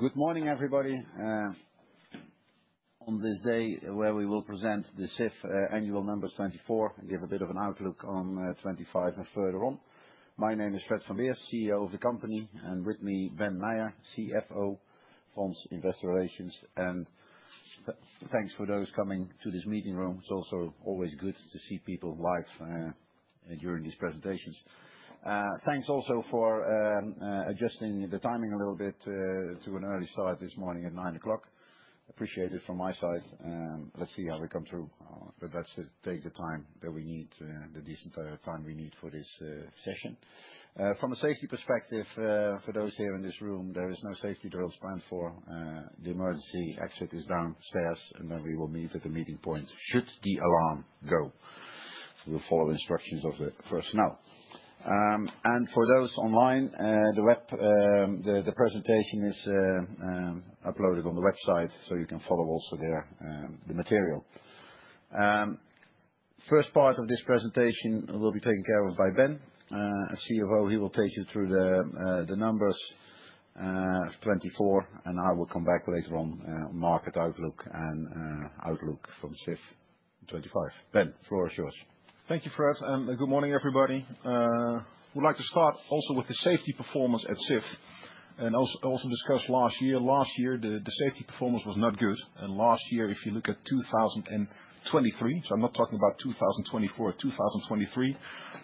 Good morning, everybody. On this day where we will present the Sif Annual Numbers 2024, give a bit of an outlook on 2025 and further on. My name is Fred van Beers, CEO of the company, and with me, Ben Meijer, CFO, Fons Investor Relations. Thanks for those coming to this meeting room. It's also always good to see people live during these presentations. Thanks also for adjusting the timing a little bit to an early start this morning at 9:00 A.M. Appreciate it from my side. Let's see how we come through. That's to take the time that we need, the decent time we need for this session. From a safety perspective, for those here in this room, there is no safety drill planned for. The emergency exit is downstairs, and then we will meet at the meeting point should the alarm go. will follow the instructions of the personnel. For those online, the presentation is uploaded on the website, so you can follow also there the material. First part of this presentation will be taken care of by Ben, our CFO. He will take you through the numbers of 2024, and I will come back later on, market outlook and outlook from Sif for 2025. Ben, floor is yours. Thank you, Fred. Good morning, everybody. We'd like to start also with the safety performance at Sif and also discuss last year. Last year, the safety performance was not good. Last year, if you look at 2023, so I'm not talking about 2024, 2023,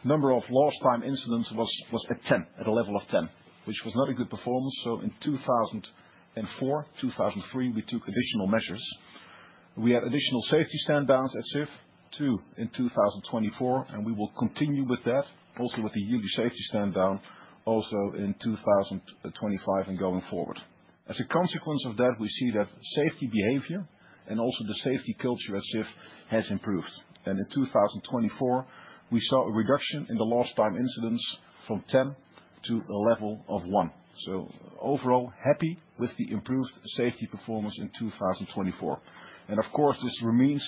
the number of lost-time incidents was at 10, at a level of 10, which was not a good performance. In 2024, 2023, we took additional measures. We had additional safety standards at Sif, two in 2024, and we will continue with that, also with the yearly safety standard, also in 2025 and going forward. As a consequence of that, we see that safety behavior and also the safety culture at Sif has improved. In 2024, we saw a reduction in the lost-time incidents from 10 to a level of 1. Overall, happy with the improved safety performance in 2024. Of course, this remains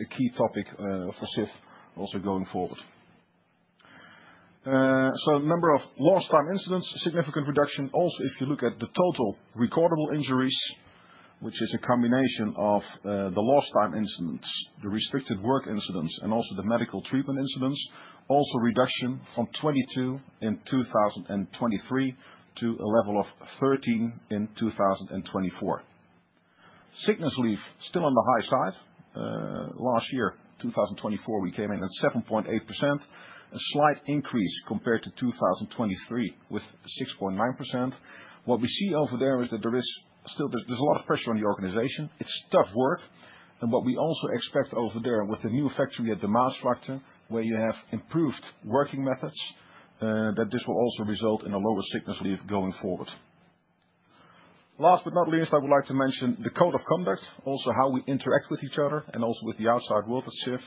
a key topic for Sif also going forward. Number of lost-time incidents, significant reduction. Also, if you look at the total recordable injuries, which is a combination of the lost-time incidents, the restricted work incidents, and also the medical treatment incidents, also reduction from 22 in 2023 to a level of 13 in 2024. Sickness leave, still on the high side. Last year, 2024, we came in at 7.8%, a slight increase compared to 2023 with 6.9%. What we see over there is that there is still a lot of pressure on the organization. It's tough work. What we also expect over there with the new factory at the Maasvlakte, where you have improved working methods, is that this will also result in a lower sickness leave going forward. Last but not least, I would like to mention the code of conduct, also how we interact with each other and also with the outside world at Sif.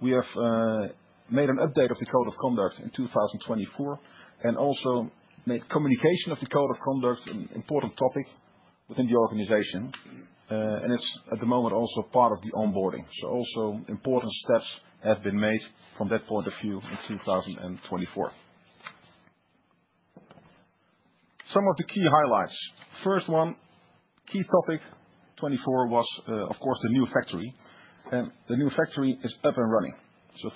We have made an update of the code of conduct in 2024 and also made communication of the code of conduct an important topic within the organization. It is at the moment also part of the onboarding. Also important steps have been made from that point of view in 2024. Some of the key highlights. First one, key topic 2024 was, of course, the new factory. The new factory is up and running.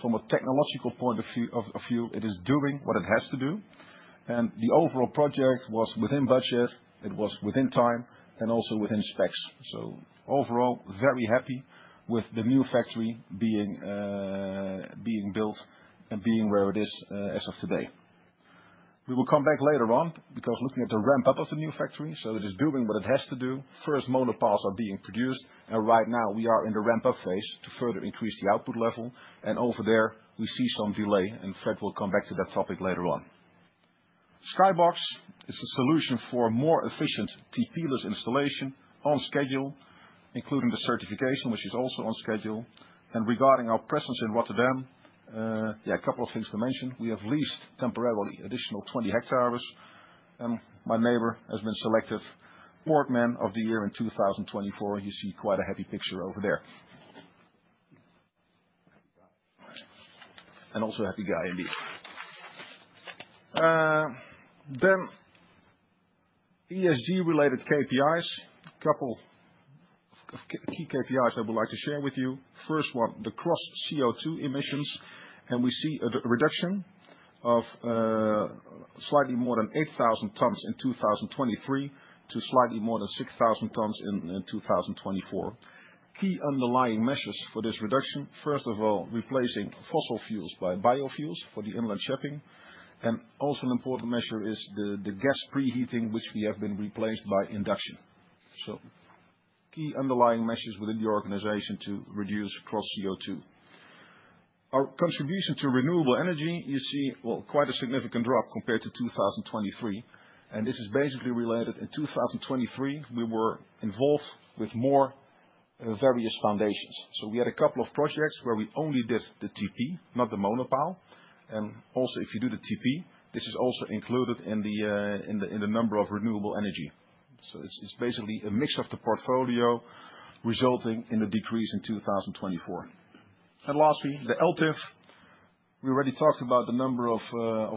From a technological point of view, it is doing what it has to do. The overall project was within budget, it was within time, and also within specs. Overall, very happy with the new factory being built and being where it is as of today. We will come back later on because looking at the ramp-up of the new factory, it is doing what it has to do. First monopiles are being produced. Right now, we are in the ramp-up phase to further increase the output level. Over there, we see some delay. Fred will come back to that topic later on. Skybox is a solution for more efficient TP-less installation on schedule, including the certification, which is also on schedule. Regarding our presence in Rotterdam, a couple of things to mention. We have leased temporarily additional 20 hectares. My neighbor has been selected Portman of the Year in 2024. You see quite a happy picture over there. Also a happy guy indeed. ESG-related KPIs, a couple of key KPIs I would like to share with you. First one, the cross-CO2 emissions. We see a reduction of slightly more than 8,000 tons in 2023 to slightly more than 6,000 tons in 2024. Key underlying measures for this reduction, first of all, replacing fossil fuels by biofuels for the inland shipping. Also, an important measure is the gas preheating, which we have replaced by induction. Key underlying measures within the organization to reduce cross-CO2. Our contribution to renewable energy, you see, quite a significant drop compared to 2023. This is basically related. In 2023, we were involved with more various foundations. We had a couple of projects where we only did the TP, not the monopile. Also, if you do the TP, this is also included in the number of renewable energy. It is basically a mix of the portfolio resulting in the decrease in 2024. Lastly, the LTIF. We already talked about the number of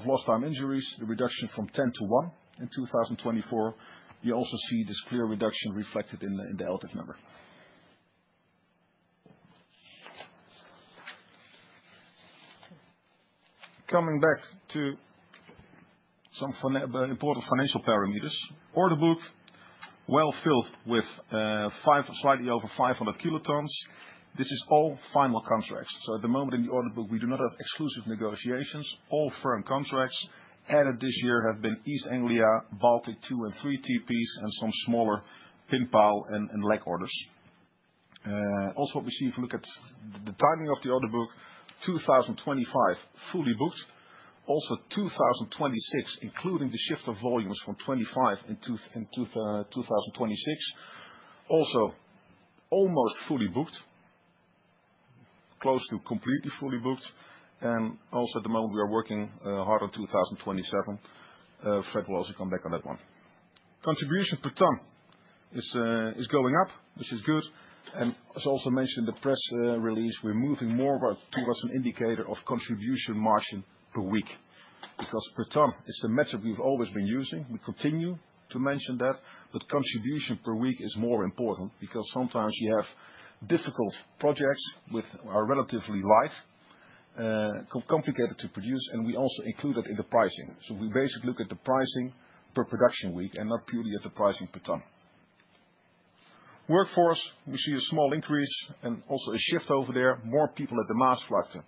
lost-time injuries, the reduction from 10 to 1 in 2024. You also see this clear reduction reflected in the LTIF number. Coming back to some important financial parameters. Order book, well filled with slightly over 500 kilotons. This is all final contracts. At the moment in the order book, we do not have exclusive negotiations. All firm contracts added this year have been East Anglia, Baltyk 2 and 3 TPs, and some smaller pinpile and leg orders. Also, what we see if we look at the timing of the order book, 2025 fully booked. Also 2026, including the shift of volumes from 2025 in 2026. Also almost fully booked, close to completely fully booked. At the moment, we are working hard on 2027. Fred will also come back on that one. Contribution per ton is going up, which is good. As also mentioned in the press release, we are moving more towards an indicator of contribution margin per week because per ton is the metric we have always been using. We continue to mention that, but contribution per week is more important because sometimes you have difficult projects which are relatively light, complicated to produce, and we also include that in the pricing. We basically look at the pricing per production week and not purely at the pricing per ton. Workforce, we see a small increase and also a shift over there, more people at the Maasvlakte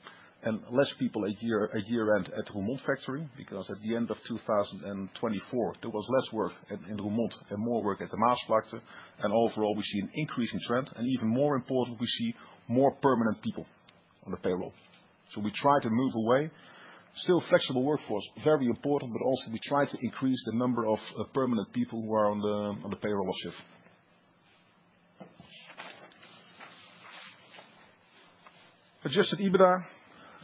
and fewer people at year-end at Roermond factory because at the end of 2024, there was less work in Roermond and more work at the Maasvlakte. Overall, we see an increasing trend. Even more important, we see more permanent people on the payroll. We try to move away. Still flexible workforce, very important, but also we try to increase the number of permanent people who are on the payroll of Sif. Adjusted EBITDA,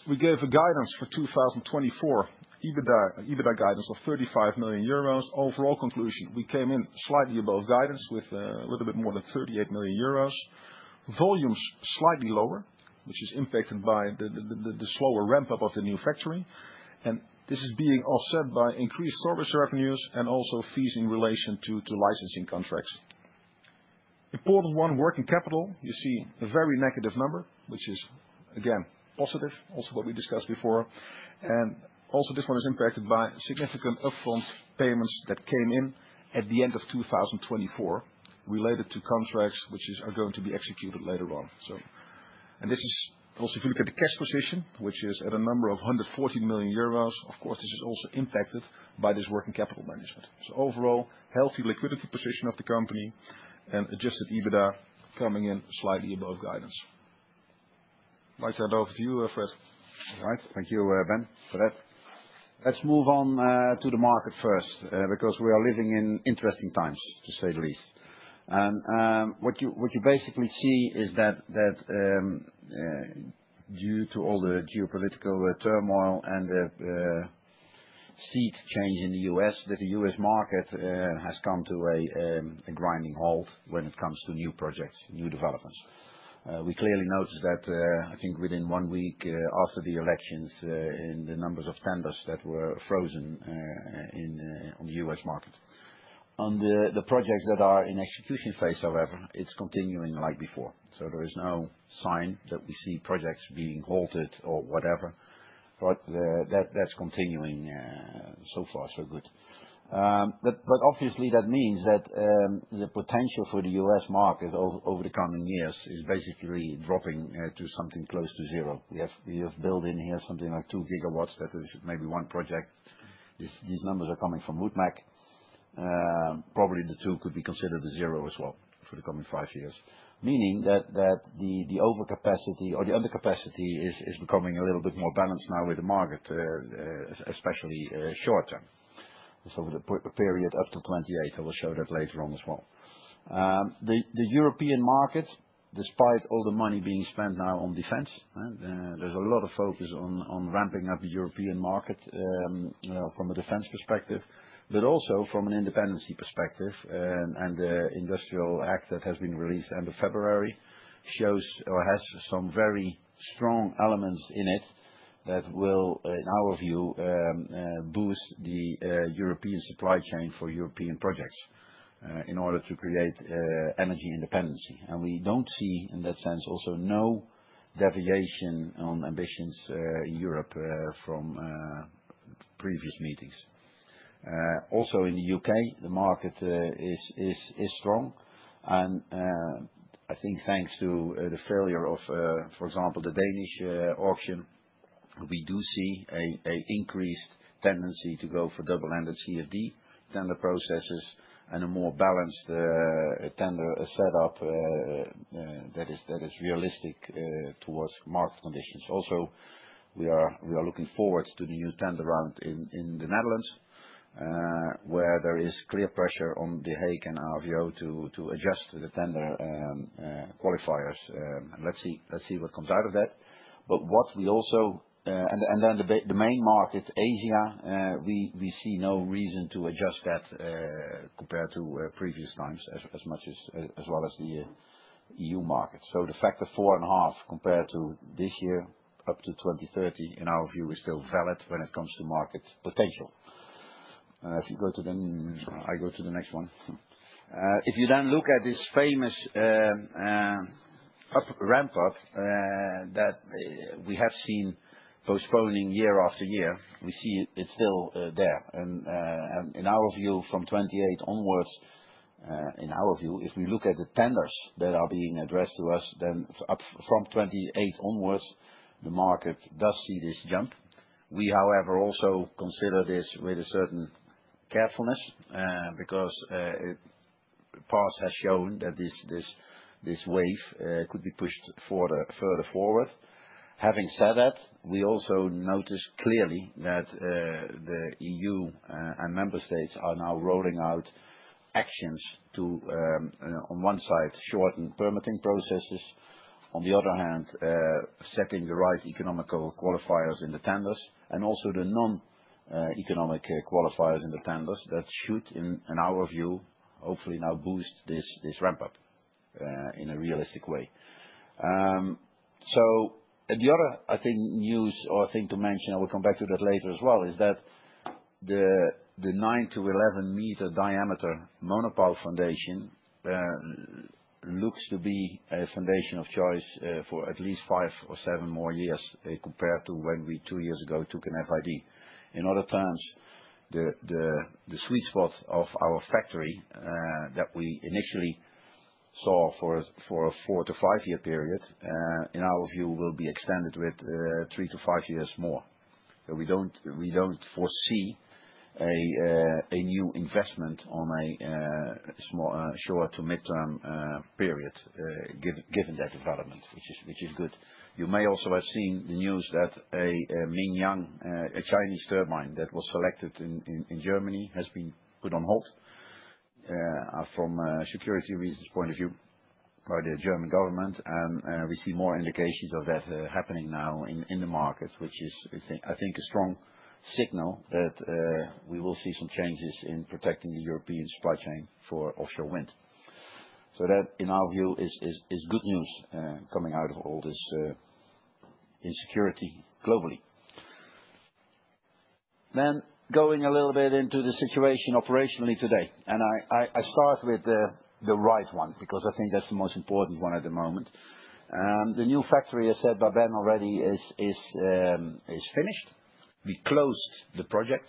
we gave a guidance for 2024, EBITDA guidance of 35 million euros. Overall conclusion, we came in slightly above guidance with a little bit more than 38 million euros. Volumes slightly lower, which is impacted by the slower ramp-up of the new factory. This is being offset by increased service revenues and also fees in relation to licensing contracts. An important one, working capital, you see a very negative number, which is, again, positive, also what we discussed before. Also, this one is impacted by significant upfront payments that came in at the end of 2024 related to contracts which are going to be executed later on. If you look at the cash position, which is at a number of 140 million euros, of course, this is also impacted by this working capital management. Overall, healthy liquidity position of the company and adjusted EBITDA coming in slightly above guidance. Might I hand over to you, Fred? All right. Thank you, Ben, Fred. Let's move on to the market first because we are living in interesting times, to say the least. What you basically see is that due to all the geopolitical turmoil and the sea change in the U.S., the U.S. market has come to a grinding halt when it comes to new projects, new developments. We clearly noticed that, I think within one week after the elections, in the numbers of tenders that were frozen on the U.S. market. On the projects that are in execution phase, however, it's continuing like before. There is no sign that we see projects being halted or whatever. That's continuing so far, so good. Obviously, that means that the potential for the U.S. market over the coming years is basically dropping to something close to zero. We have built in here something like 2 gigawatts that is maybe one project. These numbers are coming from Woodmac. Probably the 2 could be considered a zero as well for the coming five years, meaning that the overcapacity or the undercapacity is becoming a little bit more balanced now with the market, especially short term. With a period up to 2028, I will show that later on as well. The European market, despite all the money being spent now on defense, there is a lot of focus on ramping up the European market from a defense perspective, but also from an independency perspective. The industrial act that has been released end of February shows or has some very strong elements in it that will, in our view, boost the European supply chain for European projects in order to create energy independency. We do not see in that sense also any deviation on ambitions in Europe from previous meetings. Also in the U.K., the market is strong. I think thanks to the failure of, for example, the Danish auction, we do see an increased tendency to go for double-ended CFD tender processes and a more balanced tender setup that is realistic towards market conditions. We are looking forward to the new tender round in the Netherlands where there is clear pressure on The Hague and RVO to adjust the tender qualifiers. Let's see what comes out of that. What we also, and then the main market, Asia, we see no reason to adjust that compared to previous times as much as well as the EU market. The factor four and a half compared to this year up to 2030, in our view, is still valid when it comes to market potential. If you go to the, I go to the next one. If you then look at this famous ramp-up that we have seen postponing year after year, we see it's still there. In our view, from 2028 onwards, in our view, if we look at the tenders that are being addressed to us, then from 2028 onwards, the market does see this jump. We, however, also consider this with a certain carefulness because the past has shown that this wave could be pushed further forward. Having said that, we also notice clearly that the EU and member states are now rolling out actions to, on one side, shorten permitting processes, on the other hand, setting the right economical qualifiers in the tenders, and also the non-economic qualifiers in the tenders that should, in our view, hopefully now boost this ramp-up in a realistic way. The other, I think, news or thing to mention, and we'll come back to that later as well, is that the 9-11 meter diameter monopile foundation looks to be a foundation of choice for at least five or seven more years compared to when we two years ago took an FID. In other terms, the sweet spot of our factory that we initially saw for a four- to five-year period, in our view, will be extended with three to five years more. We do not foresee a new investment on a short to mid-term period given that development, which is good. You may also have seen the news that a Mingyang, a Chinese turbine that was selected in Germany, has been put on hold from security reasons point of view by the German government. We see more indications of that happening now in the market, which is, I think, a strong signal that we will see some changes in protecting the European supply chain for offshore wind. That, in our view, is good news coming out of all this insecurity globally. Going a little bit into the situation operationally today. I start with the right one because I think that is the most important one at the moment. The new factory, as said by Ben already, is finished. We closed the project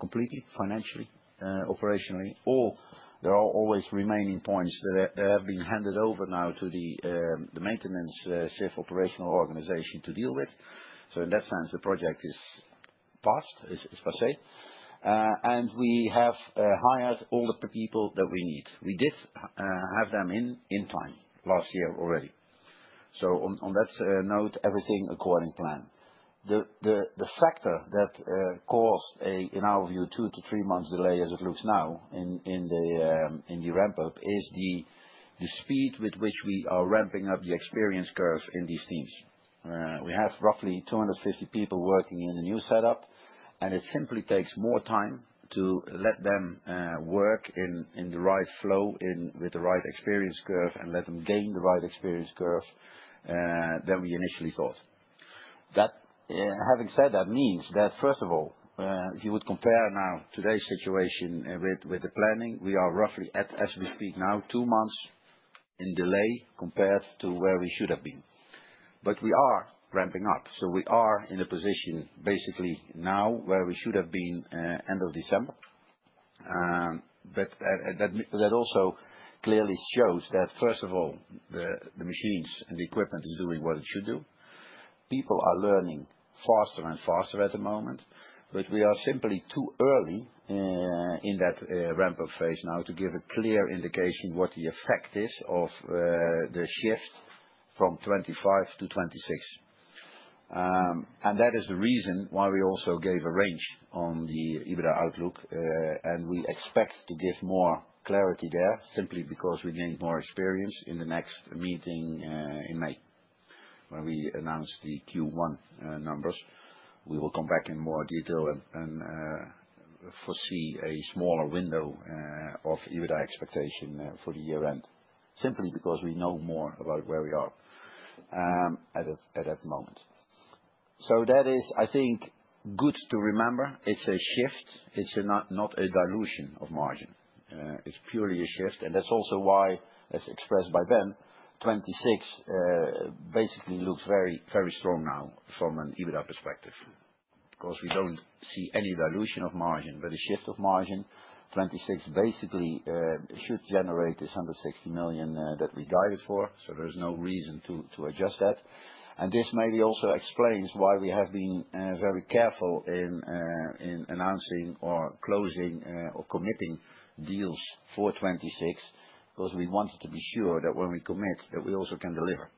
completely financially, operationally. There are always remaining points that have been handed over now to the maintenance Sif operational organization to deal with. In that sense, the project is passed, is passé. We have hired all the people that we need. We did have them in time last year already. On that note, everything according to plan. The factor that caused, in our view, two to three months delay as it looks now in the ramp-up is the speed with which we are ramping up the experience curve in these teams. We have roughly 250 people working in the new setup, and it simply takes more time to let them work in the right flow with the right experience curve and let them gain the right experience curve than we initially thought. Having said that means that, first of all, if you would compare now today's situation with the planning, we are roughly, as we speak now, two months in delay compared to where we should have been. We are ramping up. We are in a position basically now where we should have been end of December. That also clearly shows that, first of all, the machines and the equipment are doing what it should do. People are learning faster and faster at the moment, but we are simply too early in that ramp-up phase now to give a clear indication of what the effect is of the shift from 2025 to 2026. That is the reason why we also gave a range on the EBITDA outlook. We expect to give more clarity there simply because we gained more experience in the next meeting in May when we announce the Q1 numbers. We will come back in more detail and foresee a smaller window of EBITDA expectation for the year-end simply because we know more about where we are at that moment. That is, I think, good to remember. It is a shift. It is not a dilution of margin. It is purely a shift. That is also why, as expressed by Ben, 2026 basically looks very strong now from an EBITDA perspective because we do not see any dilution of margin. A shift of margin, 2026 basically should generate this 160 million that we guided for. There is no reason to adjust that. This maybe also explains why we have been very careful in announcing or closing or committing deals for 2026 because we wanted to be sure that when we commit, that we also can deliver.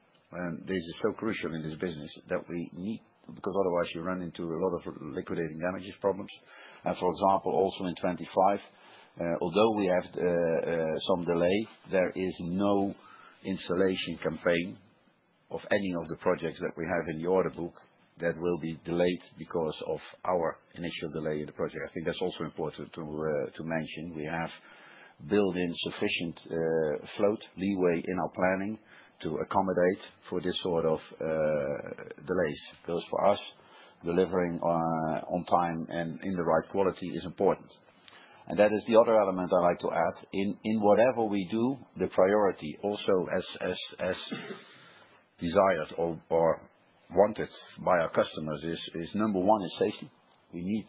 This is so crucial in this business that we need because otherwise you run into a lot of liquidating damages problems. For example, also in 2025, although we have some delay, there is no installation campaign of any of the projects that we have in the order book that will be delayed because of our initial delay in the project. I think that is also important to mention. We have built in sufficient float leeway in our planning to accommodate for this sort of delays because for us, delivering on time and in the right quality is important. That is the other element I would like to add. In whatever we do, the priority also as desired or wanted by our customers is, number one, is safety.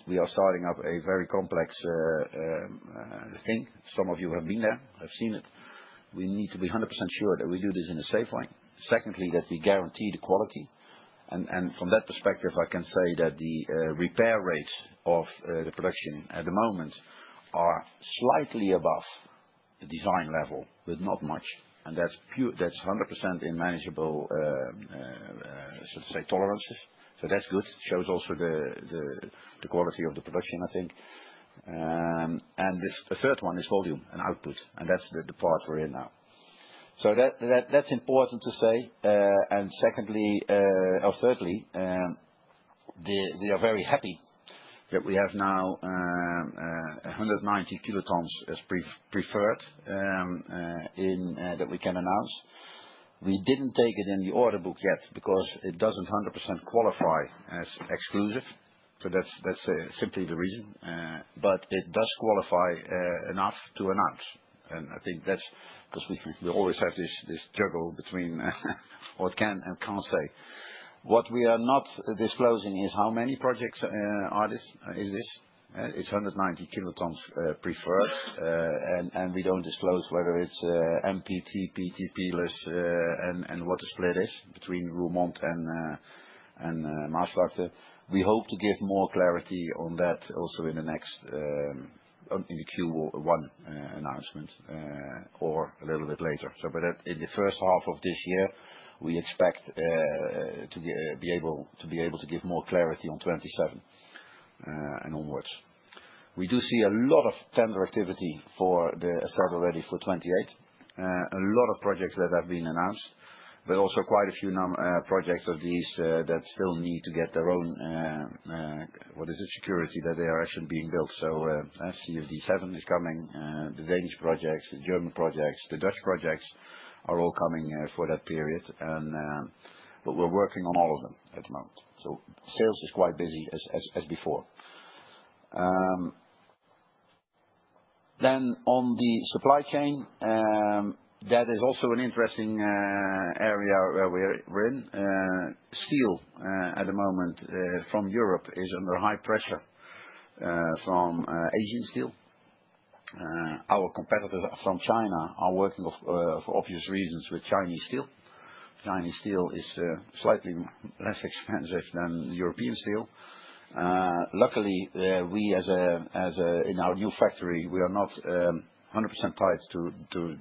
We are starting up a very complex thing. Some of you have been there, have seen it. We need to be 100% sure that we do this in a safe way. Secondly, that we guarantee the quality. From that perspective, I can say that the repair rates of the production at the moment are slightly above the design level, but not much. That is 100% in manageable, so to say, tolerances. That is good. It shows also the quality of the production, I think. The third one is volume and output. That is the part we are in now. That is important to say. Thirdly, we are very happy that we have now 190 kilotons as preferred that we can announce. We did not take it in the order book yet because it does not 100% qualify as exclusive. That is simply the reason. It does qualify enough to announce. I think that is because we always have this juggle between what we can and cannot say. What we are not disclosing is how many projects are this. It is 190 kilotons preferred. We do not disclose whether it is MPT, TP-less, and what the split is between Roermond and Maasvlakte. We hope to give more clarity on that also in the next Q1 announcement or a little bit later. In the first half of this year, we expect to be able to give more clarity on 2027 and onwards. We do see a lot of tender activity for the asset already for 2028. A lot of projects that have been announced, but also quite a few projects of these that still need to get their own, what is it, security that they are actually being built. CFD7 is coming. The Danish projects, the German projects, the Dutch projects are all coming for that period. We are working on all of them at the moment. Sales is quite busy as before. On the supply chain, that is also an interesting area where we are in. Steel at the moment from Europe is under high pressure from Asian steel. Our competitors from China are working for obvious reasons with Chinese steel. Chinese steel is slightly less expensive than European steel. Luckily, in our new factory, we are not 100% tied to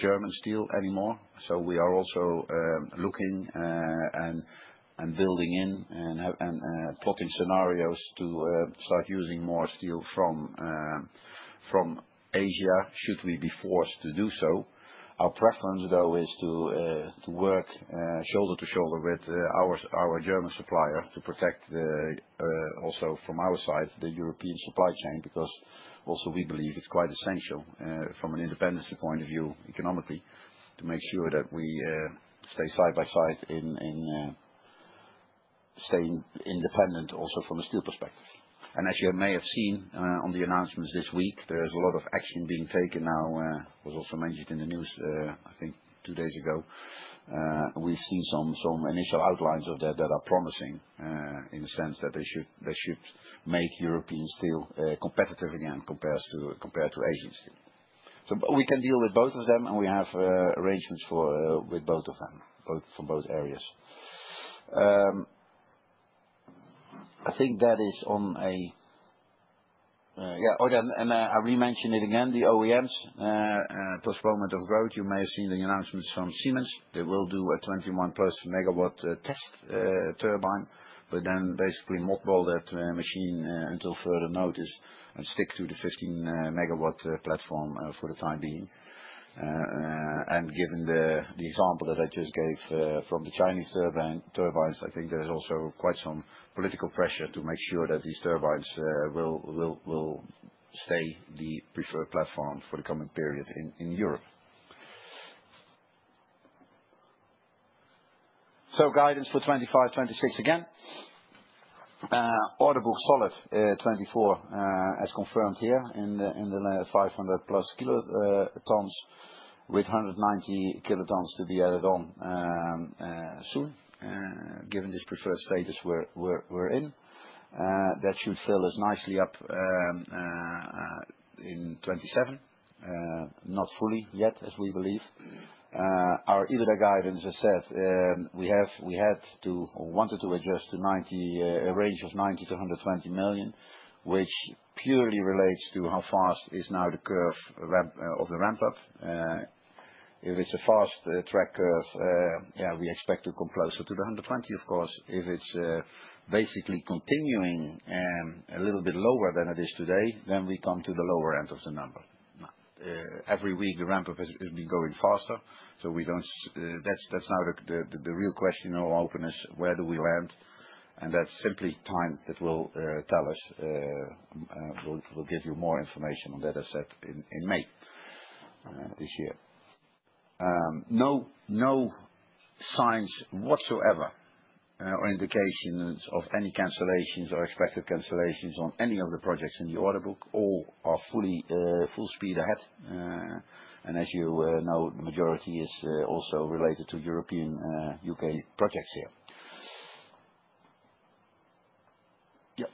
German steel anymore. We are also looking and building in and plotting scenarios to start using more steel from Asia should we be forced to do so. Our preference, though, is to work shoulder to shoulder with our German supplier to protect also from our side the European supply chain because also we believe it is quite essential from an independency point of view economically to make sure that we stay side by side in staying independent also from a steel perspective. As you may have seen on the announcements this week, there is a lot of action being taken now. It was also mentioned in the news, I think, two days ago. We have seen some initial outlines of that that are promising in the sense that they should make European steel competitive again compared to Asian steel. We can deal with both of them, and we have arrangements with both of them from both areas. I think that is on a, yeah. I re-mention it again, the OEMs postponement of growth. You may have seen the announcements from Siemens. They will do a 21-plus MW test turbine, but then basically mock all that machine until further notice and stick to the 15 MW platform for the time being. Given the example that I just gave from the Chinese turbines, I think there is also quite some political pressure to make sure that these turbines will stay the preferred platform for the coming period in Europe. Guidance for 2025, 2026 again. Order book solid 2024 as confirmed here in the 500-plus kilotons with 190 kilotons to be added on soon given this preferred status we are in. That should fill us nicely up in 2027. Not fully yet, as we believe. Our EBITDA guidance, as said, we had to or wanted to adjust to a range of 90 million-120 million, which purely relates to how fast is now the curve of the ramp-up. If it's a fast track curve, yeah, we expect to come closer to the 120 million, of course. If it's basically continuing a little bit lower than it is today, then we come to the lower end of the number. Every week, the ramp-up has been going faster. That's now the real question in all openness, where do we land? That's simply time that will tell us. We'll give you more information on that, as said, in May this year. No signs whatsoever or indications of any cancellations or expected cancellations on any of the projects in the order book. All are fully full speed ahead. As you know, the majority is also related to European U.K. projects here. Yep.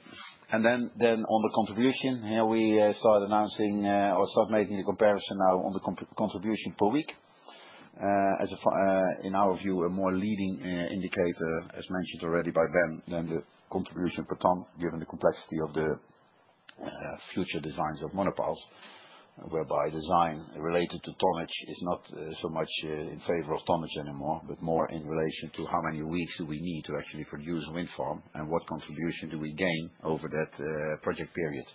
On the contribution, here we start announcing or start making the comparison now on the contribution per week. In our view, a more leading indicator, as mentioned already by Ben, than the contribution per ton given the complexity of the future designs of monopiles whereby design related to tonnage is not so much in favor of tonnage anymore, but more in relation to how many weeks do we need to actually produce wind farm and what contribution do we gain over that project period.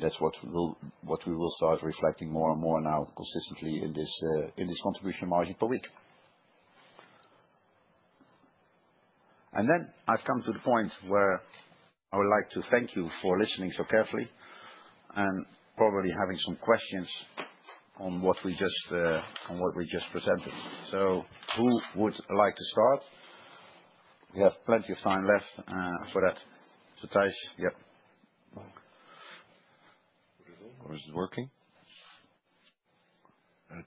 That is what we will start reflecting more and more now consistently in this contribution margin per week. I have come to the point where I would like to thank you for listening so carefully and probably having some questions on what we just presented. Who would like to start? We have plenty of time left for that. Thijs, yes. What is it? Or is it working?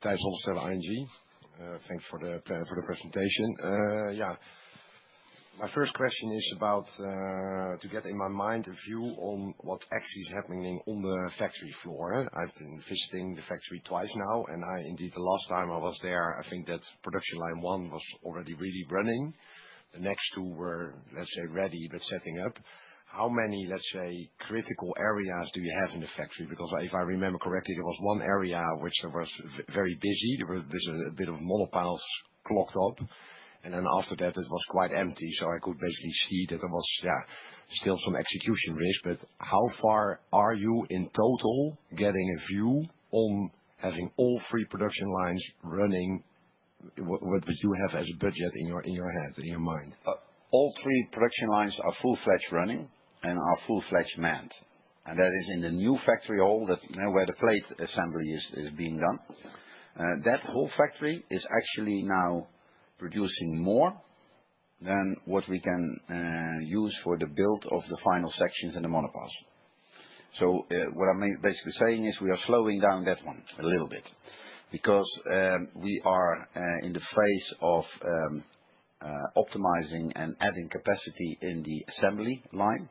Tijs Hollestelle, ING. Thanks for the presentation. My first question is about to get in my mind a view on what actually is happening on the factory floor. I have been visiting the factory twice now. Indeed, the last time I was there, I think that production line one was already really running. The next two were, let's say, ready but setting up. How many, let's say, critical areas do you have in the factory? Because if I remember correctly, there was one area which was very busy. There was a bit of monopiles clocked up. After that, it was quite empty. I could basically see that there was still some execution risk. How far are you in total getting a view on having all three production lines running with what you have as a budget in your head, in your mind? All three production lines are full-fledged running and are full-fledged manned. That is in the new factory hall where the plate assembly is being done. That whole factory is actually now producing more than what we can use for the build of the final sections and the monopiles. What I'm basically saying is we are slowing down that one a little bit because we are in the phase of optimizing and adding capacity in the assembly line,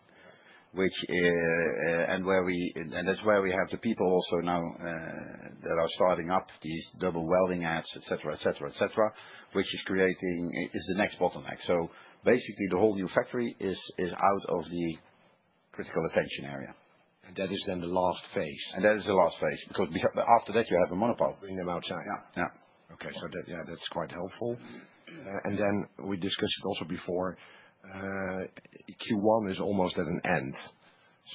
which is where we have the people also now that are starting up these double welding adds, etc., etc., etc., which is creating the next bottleneck. Basically, the whole new factory is out of the critical attention area. That is then the last phase. That is the last phase because after that, you have the monopile. Bring them outside. Yeah. Yeah. Okay. Yeah, that is quite helpful. We discussed it also before. Q1 is almost at an end.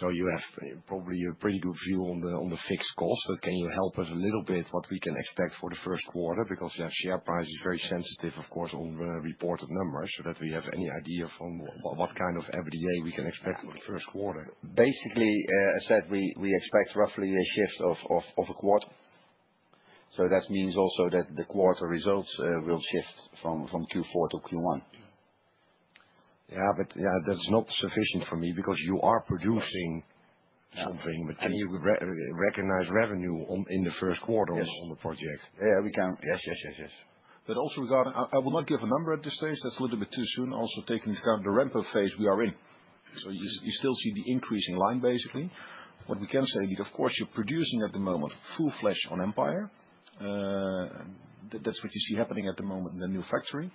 You have probably a pretty good view on the fixed cost. Can you help us a little bit with what we can expect for the first quarter? Share price is very sensitive, of course, on reported numbers so that we have any idea of what kind of EBITDA we can expect for the first quarter. Basically, as said, we expect roughly a shift of a quarter. That means also that the quarter results will shift from Q4 to Q1. Yeah. That is not sufficient for me because you are producing something and you recognize revenue in the first quarter on the project. Yeah. We can. Yes, yes, yes, yes. Also regarding, I will not give a number at this stage. That's a little bit too soon, also taking into account the ramp-up phase we are in. You still see the increasing line basically. What we can say is that, of course, you're producing at the moment full fledged on Empire. That's what you see happening at the moment in the new factory.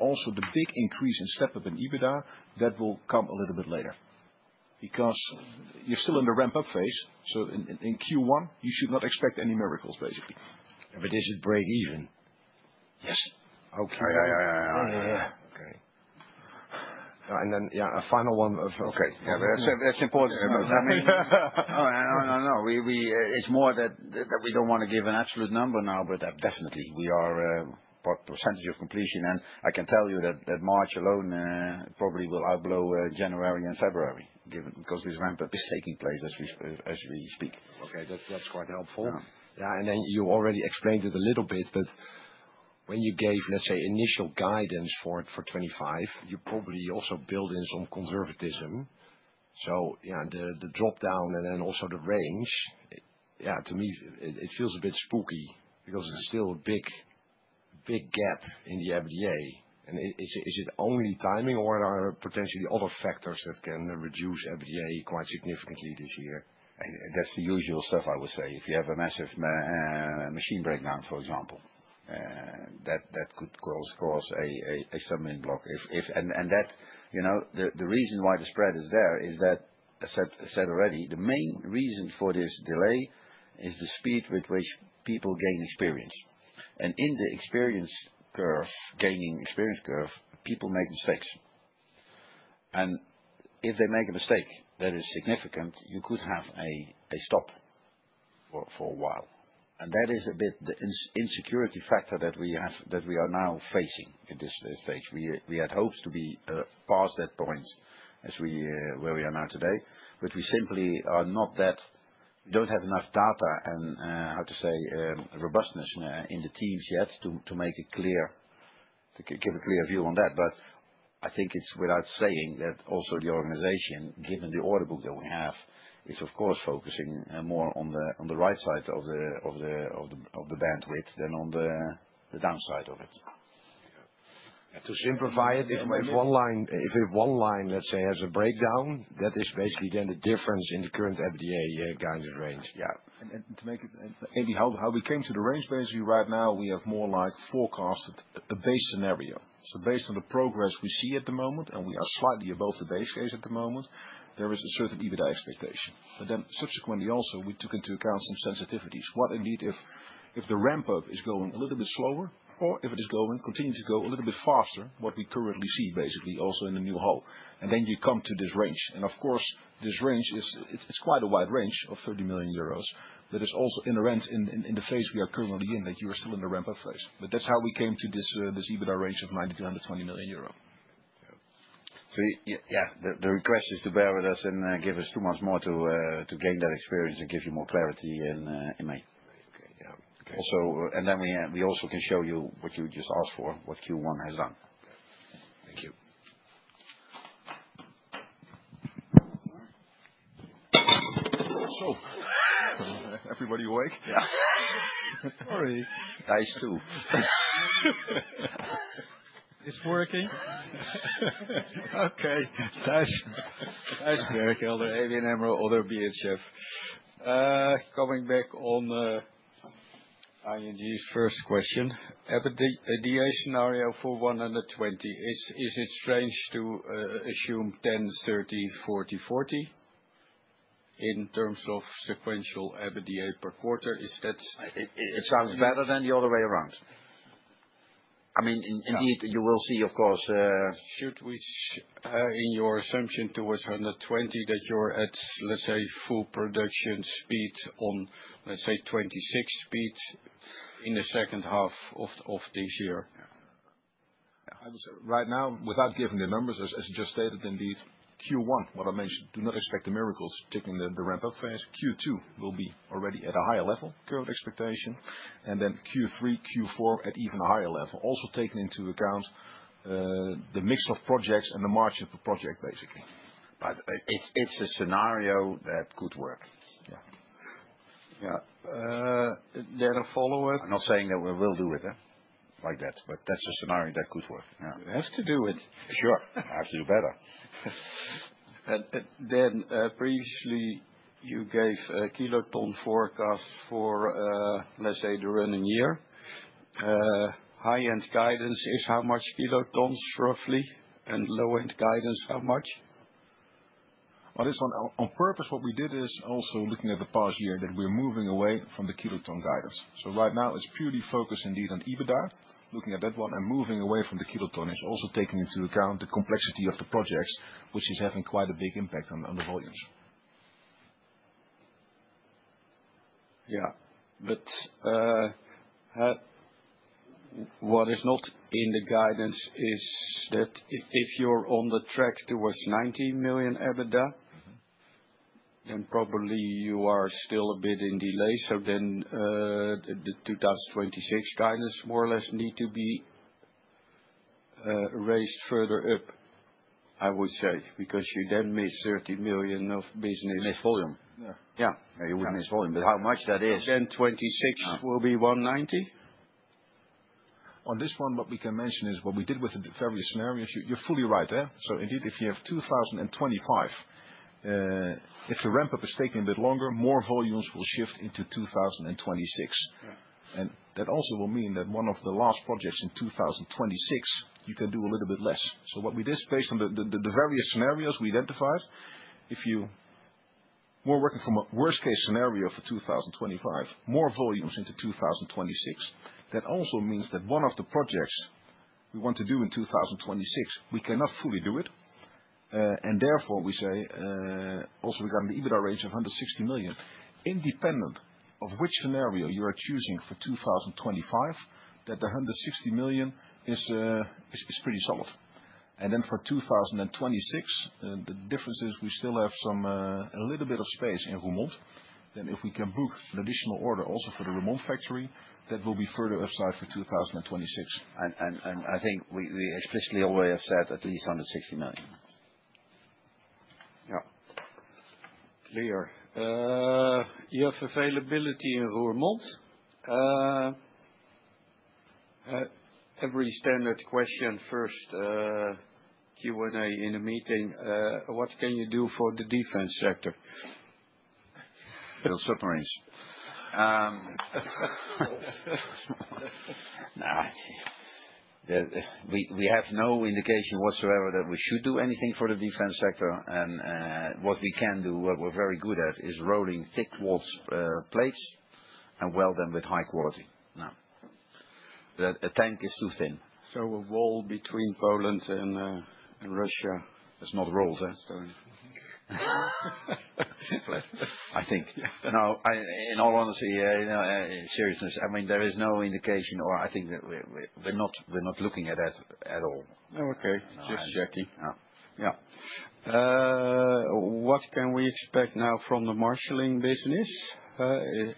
Also, the big increase and step-up in EBITDA will come a little bit later because you're still in the ramp-up phase. In Q1, you should not expect any miracles, basically. Is it break even? Yes. Okay. Yeah, yeah, yeah, yeah, yeah, yeah. Okay. A final one of, okay. That's important. No, no, no. It's more that we don't want to give an absolute number now, but definitely, we are percentage of completion. I can tell you that March alone probably will outblow January and February because this ramp-up is taking place as we speak. Okay. That's quite helpful. Yeah. You already explained it a little bit, but when you gave, let's say, initial guidance for 2025, you probably also built in some conservatism. Yeah, the dropdown and then also the range, yeah, to me, it feels a bit spooky because it's still a big gap in the MBA. Is it only timing, or are there potentially other factors that can reduce MBA quite significantly this year? That's the usual stuff, I would say. If you have a massive machine breakdown, for example, that could cause a submitting block. The reason why the spread is there is that, as I said already, the main reason for this delay is the speed with which people gain experience. In the experience curve, gaining experience curve, people make mistakes. If they make a mistake that is significant, you could have a stop for a while. That is a bit the insecurity factor that we are now facing at this stage. We had hopes to be past that point where we are now today, but we simply are not, that we do not have enough data and, how to say, robustness in the teams yet to give a clear view on that. I think it is without saying that also the organization, given the order book that we have, is, of course, focusing more on the right side of the bandwidth than on the downside of it. Yeah. To simplify it, if one line, let's say, has a breakdown, that is basically then the difference in the current EBITDA guidance range. Yeah. To make it maybe how we came to the range, basically, right now, we have more like forecasted a base scenario. Based on the progress we see at the moment, and we are slightly above the base case at the moment, there is a certain EBITDA expectation. Subsequently, also, we took into account some sensitivities. What indeed if the ramp-up is going a little bit slower or if it is going continue to go a little bit faster, what we currently see, basically, also in the new hall. You come to this range. Of course, this range, it is quite a wide range of 30 million euros. It is also in the phase we are currently in that you are still in the ramp-up phase. That is how we came to this EBITDA range of 90 million-120 million euros. The request is to bear with us and give us two months more to gain that experience and give you more clarity in May. Okay. Yeah. Okay. We also can show you what you just asked for, what Q1 has done. Thank you. Is everybody awake? Yeah. Sorry. Thijs, too. It is working. Okay. Thijs, American, other ABN AMRO, ODDO BHF. Coming back on ING's first question, the DA scenario for 120, is it strange to assume 10, 30, 40, 40 in terms of sequential EBITDA per quarter? It sounds better than the other way around. I mean, indeed, you will see, of course. Should we, in your assumption towards 120, that you're at, let's say, full production speed on, let's say, 26 speed in the second half of this year? Yeah. Right now, without giving the numbers, as you just stated, indeed, Q1, what I mentioned, do not expect the miracles taking the ramp-up phase. Q2 will be already at a higher level curve expectation. Q3, Q4 at even a higher level. Also taking into account the mix of projects and the margin per project, basically. It is a scenario that could work. Yeah. Yeah. A follow-up. I'm not saying that we will do it like that, but that is a scenario that could work. Yeah. We have to do it. Sure. I have to do better. Previously, you gave kiloton forecast for, let's say, the running year. High-end guidance is how much kilotons, roughly, and low-end guidance, how much? On this one, on purpose, what we did is also looking at the past year that we're moving away from the kiloton guidance. Right now, it's purely focused indeed on EBITDA, looking at that one and moving away from the kiloton is also taking into account the complexity of the projects, which is having quite a big impact on the volumes. Yeah. What is not in the guidance is that if you're on the track towards 90 million EBITDA, then probably you are still a bit in delay. The 2026 guidance more or less need to be raised further up, I would say, because you then miss 30 million of business. You miss volume. Yeah. Yeah. You would miss volume. How much that is. 2026 will be 190 million? On this one, what we can mention is what we did with the various scenarios. You're fully right there. Indeed, if you have 2025, if the ramp-up is taking a bit longer, more volumes will shift into 2026. That also will mean that one of the last projects in 2026, you can do a little bit less. What we did is based on the various scenarios we identified, if you were working from a worst-case scenario for 2025, more volumes into 2026, that also means that one of the projects we want to do in 2026, we cannot fully do it. Therefore, we say also regarding the EBITDA range of 160 million, independent of which scenario you are choosing for 2025, that the 160 million is pretty solid. For 2026, the difference is we still have a little bit of space in Roermond. If we can book an additional order also for the Roermond factory, that will be further upside for 2026. I think we explicitly already have said at least 160 million. Yeah. Clear. EF availability in Roermond. Every standard question first Q&A in a meeting. What can you do for the defense sector? Build submarines. Now, we have no indication whatsoever that we should do anything for the defense sector. What we can do, what we're very good at, is rolling thick wall plates and weld them with high quality. Now, a tank is too thin. So a wall between Poland and Russia. It's not rolled, is it? I think. I think. In all honesty, seriousness, I mean, there is no indication or I think that we're not looking at that at all. Okay. Just checking. Yeah. Yeah. What can we expect now from the marshalling business?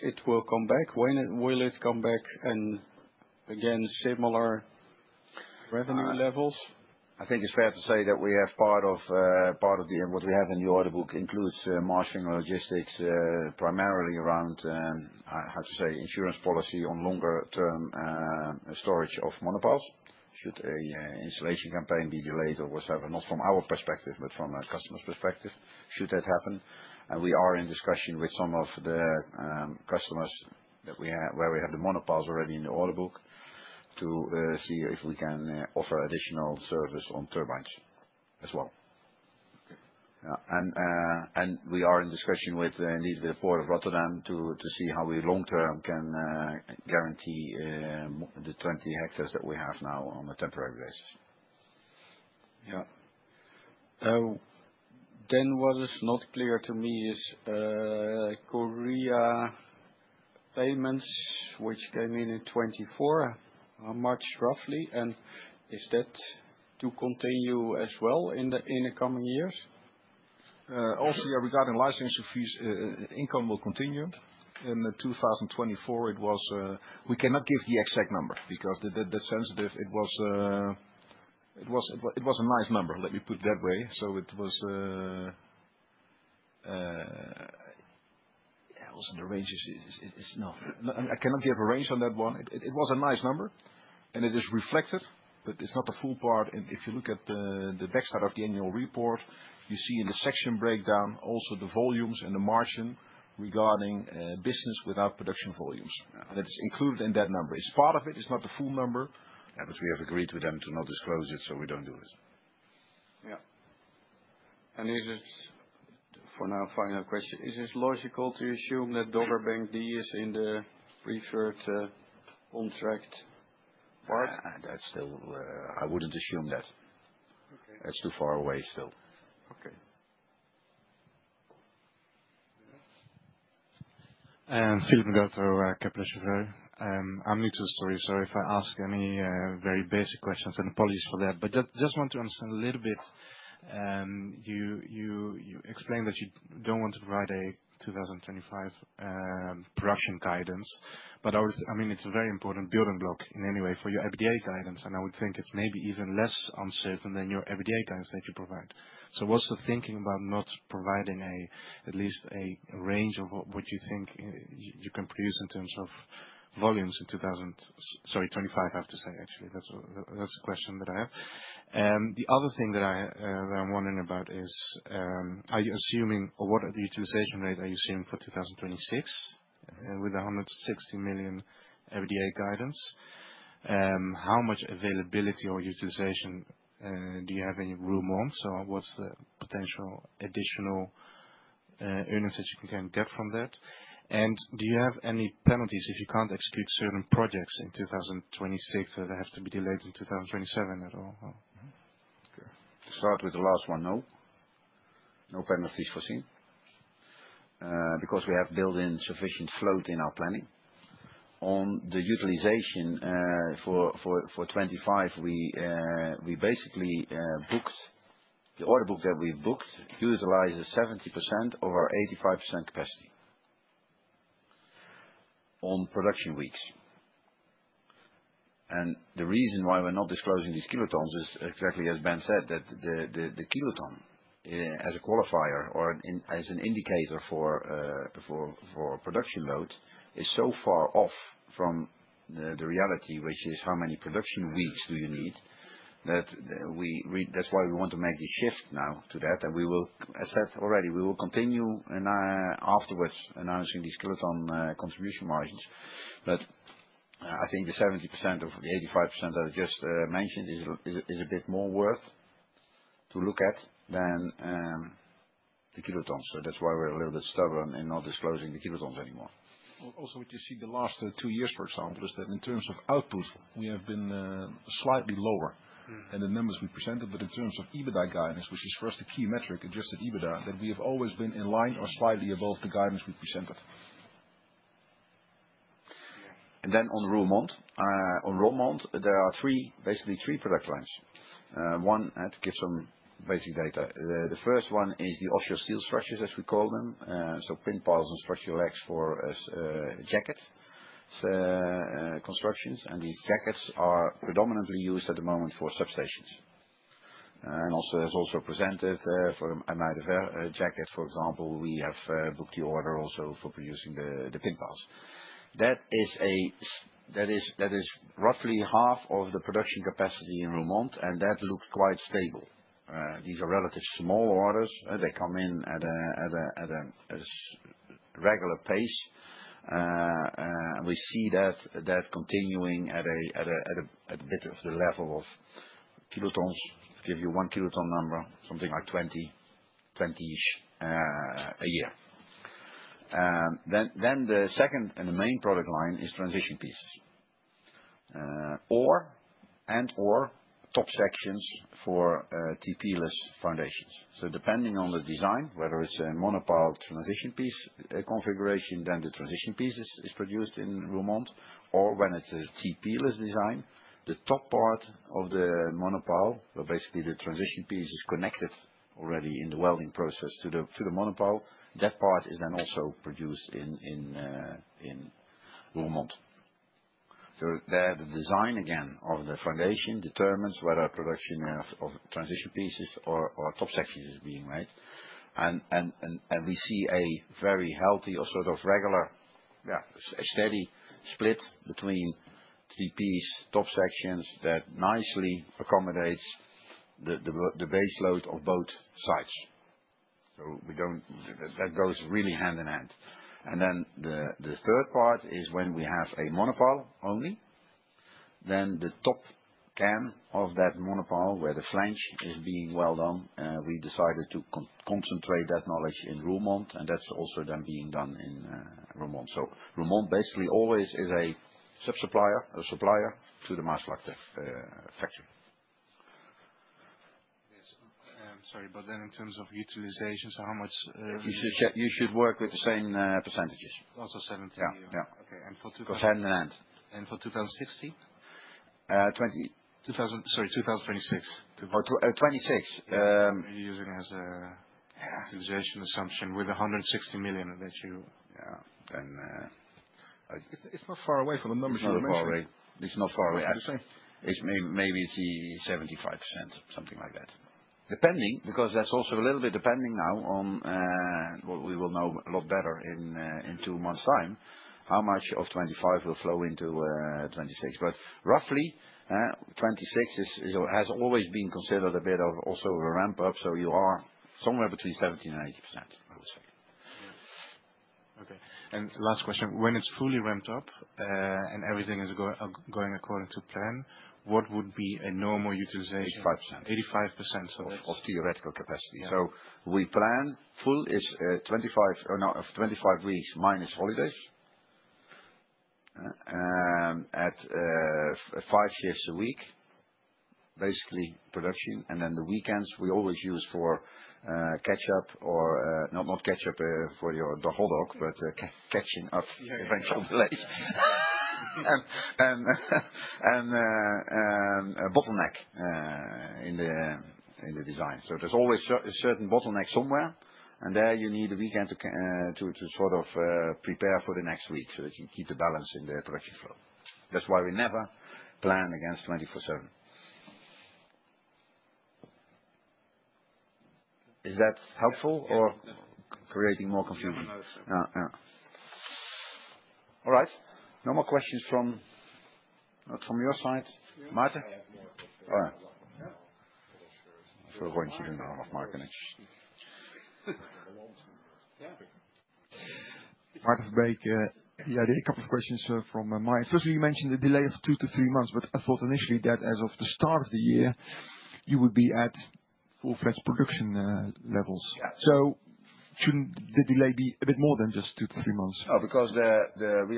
It will come back. When will it come back? Again, similar revenue levels? I think it's fair to say that we have part of what we have in the order book includes marshalling logistics primarily around, how to say, insurance policy on longer-term storage of monopiles. Should an installation campaign be delayed or whatsoever, not from our perspective, but from a customer's perspective, should that happen? We are in discussion with some of the customers where we have the monopiles already in the order book to see if we can offer additional service on turbines as well. We are in discussion indeed with the Port of Rotterdam to see how we long-term can guarantee the 20 hectares that we have now on a temporary basis. Yeah. What is not clear to me is Korea payments, which came in in 2024, March, roughly. Is that to continue as well in the coming years? Also, regarding licensure fees, income will continue. In 2024, we cannot give the exact number because that is sensitive. It was a nice number, let me put it that way. Also, the range is no. I cannot give a range on that one. It was a nice number, and it is reflected, but it is not the full part. If you look at the backside of the annual report, you see in the section breakdown also the volumes and the margin regarding business without production volumes. It is included in that number. It is part of it. It is not the full number. We have agreed with them to not disclose it, so we do not do it. Yeah. For now, final question. Is it logical to assume that Dogger Bank D is in the preferred contract part? I would not assume that. That is too far away still. Okay. Philip Ngotho, Kepler Cheuvreux. I am new to the story, so if I ask any very basic questions, apologies for that. I just want to understand a little bit. You explained that you do not want to provide a 2025 production guidance, but I mean, it is a very important building block in any way for your EBITDA guidance. I would think it is maybe even less uncertain than your EBITDA guidance that you provide. What is the thinking about not providing at least a range of what you think you can produce in terms of volumes in 2025, I have to say, actually. That's a question that I have. The other thing that I'm wondering about is, are you assuming or what utilization rate are you assuming for 2026 with the 160 million EBITDA guidance? How much availability or utilization do you have in Roermond? What is the potential additional earnings that you can get from that? Do you have any penalties if you can't exclude certain projects in 2026 that have to be delayed in 2027 at all? To start with the last one, no. No penalties foreseen because we have built-in sufficient float in our planning. On the utilization for 2025, we basically booked the order book that we booked utilizes 70% of our 85% capacity on production weeks. The reason why we're not disclosing these kilotons is exactly as Ben said, that the kiloton as a qualifier or as an indicator for production load is so far off from the reality, which is how many production weeks do you need. That's why we want to make the shift now to that. As I said already, we will continue afterwards announcing these kiloton contribution margins. I think the 70% of the 85% that I just mentioned is a bit more worth to look at than the kilotons. That's why we're a little bit stubborn in not disclosing the kilotons anymore. Also, what you see the last two years, for example, is that in terms of output, we have been slightly lower than the numbers we presented. In terms of EBITDA guidance, which is for us the key metric, adjusted EBITDA, that we have always been in line or slightly above the guidance we presented. On Roermond, there are basically three product lines. One, to give some basic data. The first one is the offshore steel structures, as we call them. Pin piles and structural legs for jacket constructions. The jackets are predominantly used at the moment for substations. As also presented for a MIDEF jacket, for example, we have booked the order also for producing the pin piles. That is roughly half of the production capacity in Roermond, and that looks quite stable. These are relatively small orders. They come in at a regular pace. We see that continuing at a bit of the level of kilotons. I'll give you one kiloton number, something like 20-ish a year. The second and the main product line is transition pieces and/or top sections for TP-less foundations. Depending on the design, whether it is a monopile transition piece configuration, the transition pieces are produced in Roermond. If it is a TP-less design, the top part of the monopile, where basically the transition piece is connected already in the welding process to the monopile, that part is also produced in Roermond. The design, again, of the foundation determines whether production of transition pieces or top sections is being made. We see a very healthy or sort of regular, steady split between TPs and top sections that nicely accommodates the base load of both sides. That goes really hand in hand. The third part is when we have a monopile only, then the top can of that monopile where the flange is being welded, we decided to concentrate that knowledge in Roermond, and that is also then being done in Roermond. Roermond basically always is a subsupplier, a supplier to the Maasvlakte factory. Yes. Sorry, in terms of utilization, how much? You should work with the same percentages. Also 70%. Yeah. Okay. And for 2000? For hand in hand. And for 2026? Sorry, 2026. You are using as a utilization assumption with 160 million that you, yeah. It is not far away from the numbers you mentioned. It is not far away. It is not far away. It is maybe the 75%, something like that. Depending, because that's also a little bit depending now on what we will know a lot better in two months' time how much of '25 will flow into '26. But roughly, '26 has always been considered a bit of also a ramp-up, so you are somewhere between 70-80%, I would say. Yeah. Okay. Last question. When it's fully ramped up and everything is going according to plan, what would be a normal utilization? 85%. 85% of theoretical capacity. We plan full is 25 weeks minus holidays at five shifts a week, basically production. The weekends we always use for catch-up or not catch-up for the hot dog, but catching up eventual delays and bottleneck in the design. There is always a certain bottleneck somewhere, and there you need a weekend to sort of prepare for the next week so that you can keep the balance in the production flow. That is why we never plan against 24/7. Is that helpful or creating more confusion? Yeah. Yeah. All right. No more questions from your side, Martha? All right. I am sure I am avoiding keeping you off my connection. Yeah. Maarten Verbeek. Yeah, I did a couple of questions from Mike. Firstly, you mentioned the delay of two to three months, but I thought initially that as of the start of the year, you would be at full-fledged production levels. So should not the delay be a bit more than just two to three months? Oh, because we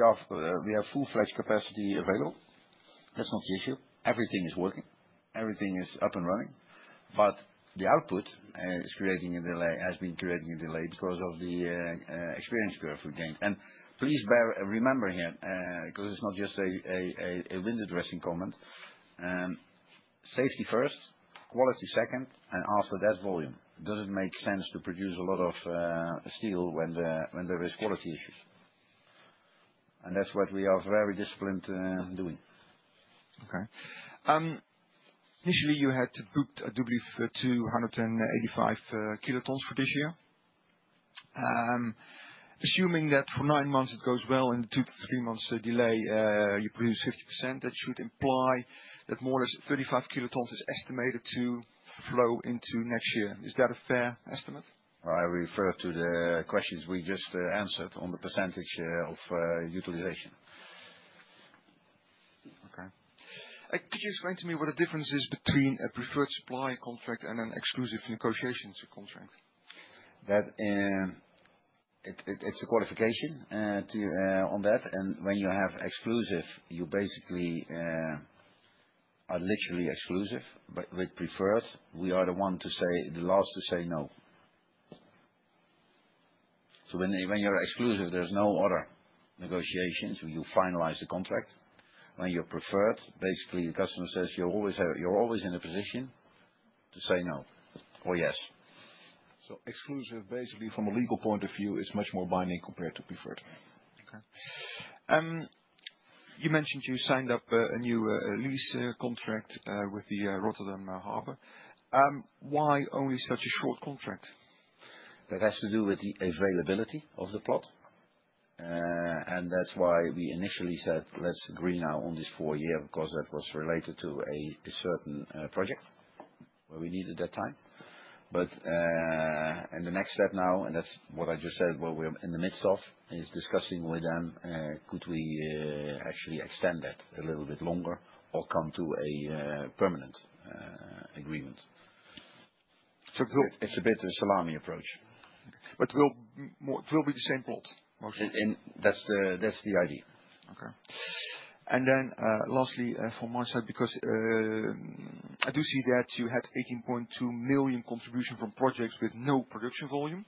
have full-fledged capacity available. That is not the issue. Everything is working. Everything is up and running. The output is creating a delay, has been creating a delay because of the experience curve we gained. Please remember here, because it's not just a window dressing comment, safety first, quality second, and after that, volume. Does it make sense to produce a lot of steel when there are quality issues? That's what we are very disciplined doing. Initially, you had to book a W for 285 kilotons for this year. Assuming that for nine months it goes well and the two to three months' delay, you produce 50%, that should imply that more or less 35 kilotons is estimated to flow into next year. Is that a fair estimate? I refer to the questions we just answered on the percentage of utilization. Could you explain to me what the difference is between a preferred supply contract and an exclusive negotiation contract? It's a qualification on that. When you have exclusive, you basically are literally exclusive. With preferred, we are the ones to say, the last to say no. When you're exclusive, there's no other negotiations. You finalize the contract. When you're preferred, basically the customer says, "You're always in a position to say no or yes." Exclusive, basically from a legal point of view, is much more binding compared to preferred. Okay. You mentioned you signed up a new lease contract with the Rotterdam Harbor. Why only such a short contract? That has to do with the availability of the plot. That's why we initially said, "Let's agree now on this four-year," because that was related to a certain project where we needed that time. In the next step now, and that's what I just said, what we're in the midst of, is discussing with them, could we actually extend that a little bit longer or come to a permanent agreement? It's a bit of a salami approach. It will be the same plot, mostly? That's the idea. Okay. Lastly, from my side, because I do see that you had 18.2 million contribution from projects with no production volume,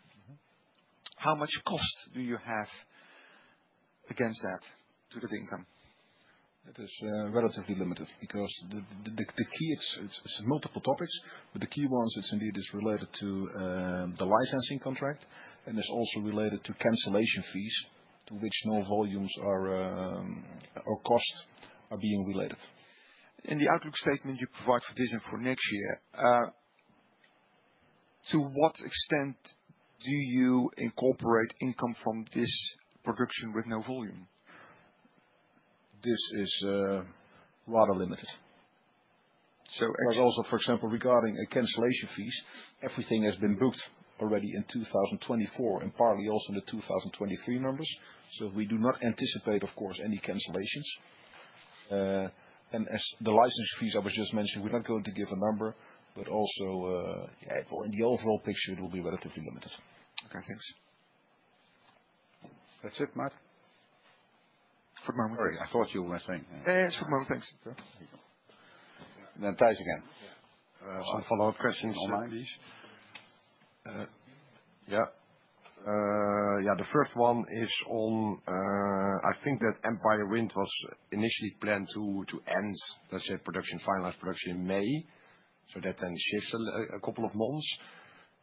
how much cost do you have against that to the income? It is relatively limited because the key, it's multiple topics, but the key ones, it's indeed related to the licensing contract. It's also related to cancellation fees to which no volumes or costs are being related. In the outlook statement you provide for this and for next year, to what extent do you incorporate income from this production with no volume? This is rather limited. Also, for example, regarding cancellation fees, everything has been booked already in 2024 and partly also in the 2023 numbers. We do not anticipate, of course, any cancellations. As the license fees I was just mentioning, we are not going to give a number, but also in the overall picture, it will be relatively limited. Okay. Thanks. That's it, Maarten? Sorry, I thought you were saying—it is good. Thanks. Thijs again. Some follow-up questions on that, please. Yeah. The first one is on, I think that Empire Wind was initially planned to end that production, finalized production in May, so that then shifts a couple of months.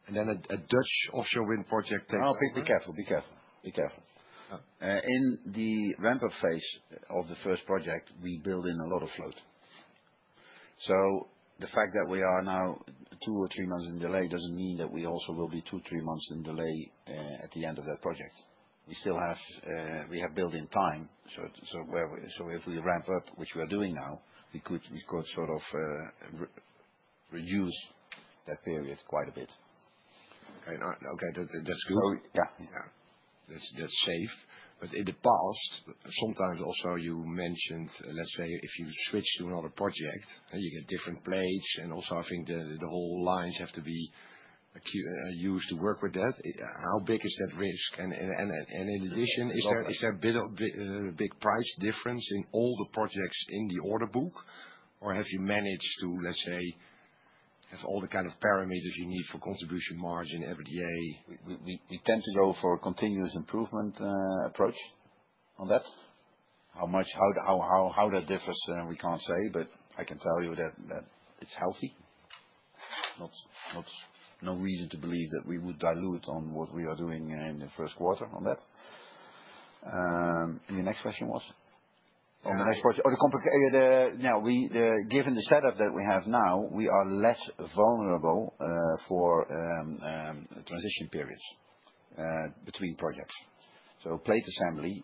A Dutch offshore wind project takes— be careful. Be careful. Be careful. In the ramp-up phase of the first project, we build in a lot of float. The fact that we are now two or three months in delay does not mean that we also will be two to three months in delay at the end of that project. We have built-in time. If we ramp up, which we are doing now, we could sort of reduce that period quite a bit. Okay. Okay. That is good. Yeah. That is safe. In the past, sometimes also you mentioned, let's say, if you switch to another project, you get different plates. Also, I think the whole lines have to be used to work with that. How big is that risk? In addition, is there a big price difference in all the projects in the order book? Have you managed to, let's say, have all the kind of parameters you need for contribution margin, EBITDA? We tend to go for a continuous improvement approach on that. How that differs, I can't say, but I can tell you that it's healthy. No reason to believe that we would dilute on what we are doing in the first quarter on that. Your next question was? On the next project? No, given the setup that we have now, we are less vulnerable for transition periods between projects. Plate assembly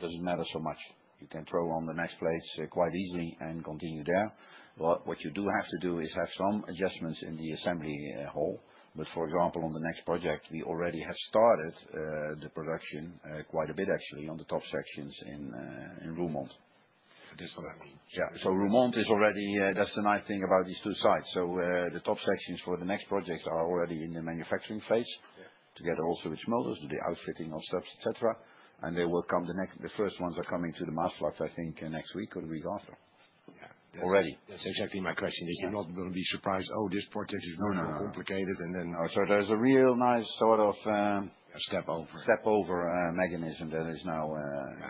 doesn't matter so much. You can throw on the next plates quite easily and continue there. What you do have to do is have some adjustments in the assembly hall. For example, on the next project, we already have started the production quite a bit, actually, on the top sections in Roermond. This one? Yeah. Roermond is already—that's the nice thing about these two sites. The top sections for the next projects are already in the manufacturing phase together also with Schmolders, who do the outfitting of steps, etc. They will come—the first ones are coming to the Maasvlakte, I think, next week or the week after. Already. That's exactly my question. They're not going to be surprised, "Oh, this project is going to be complicated," and then— There is a real nice sort of step over mechanism that is now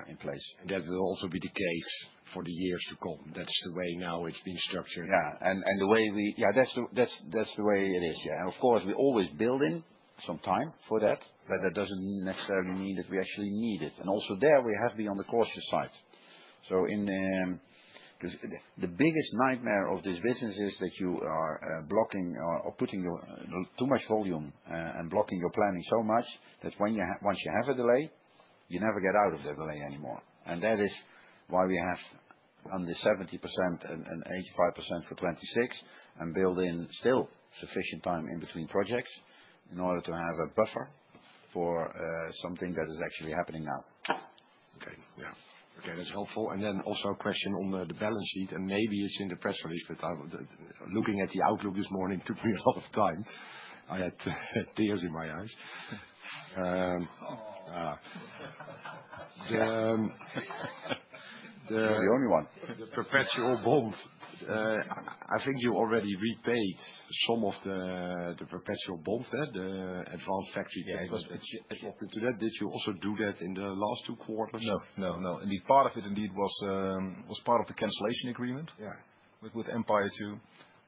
in place. That will also be the case for the years to come. That's the way now it's been structured. Yeah. The way we—yeah, that's the way it is. Yeah. Of course, we always build in some time for that, but that doesn't necessarily mean that we actually need it. Also there, we have been on the cautious side. The biggest nightmare of this business is that you are blocking or putting too much volume and blocking your planning so much that once you have a delay, you never get out of the delay anymore. That is why we have under 70% and 85% for 2026 and build in still sufficient time in between projects in order to have a buffer for something that is actually happening now. Okay. Yeah. Okay. That's helpful. Also a question on the balance sheet, and maybe it's in the press release, but looking at the outlook this morning took me a lot of time. I had tears in my eyes. You're the only one. The perpetual bond. I think you already repaid some of the perpetual bond, the advanced factory payments. Yeah. Because it's into that, did you also do that in the last two quarters? No. No. No. Indeed, part of it indeed was part of the cancellation agreement with Empire too,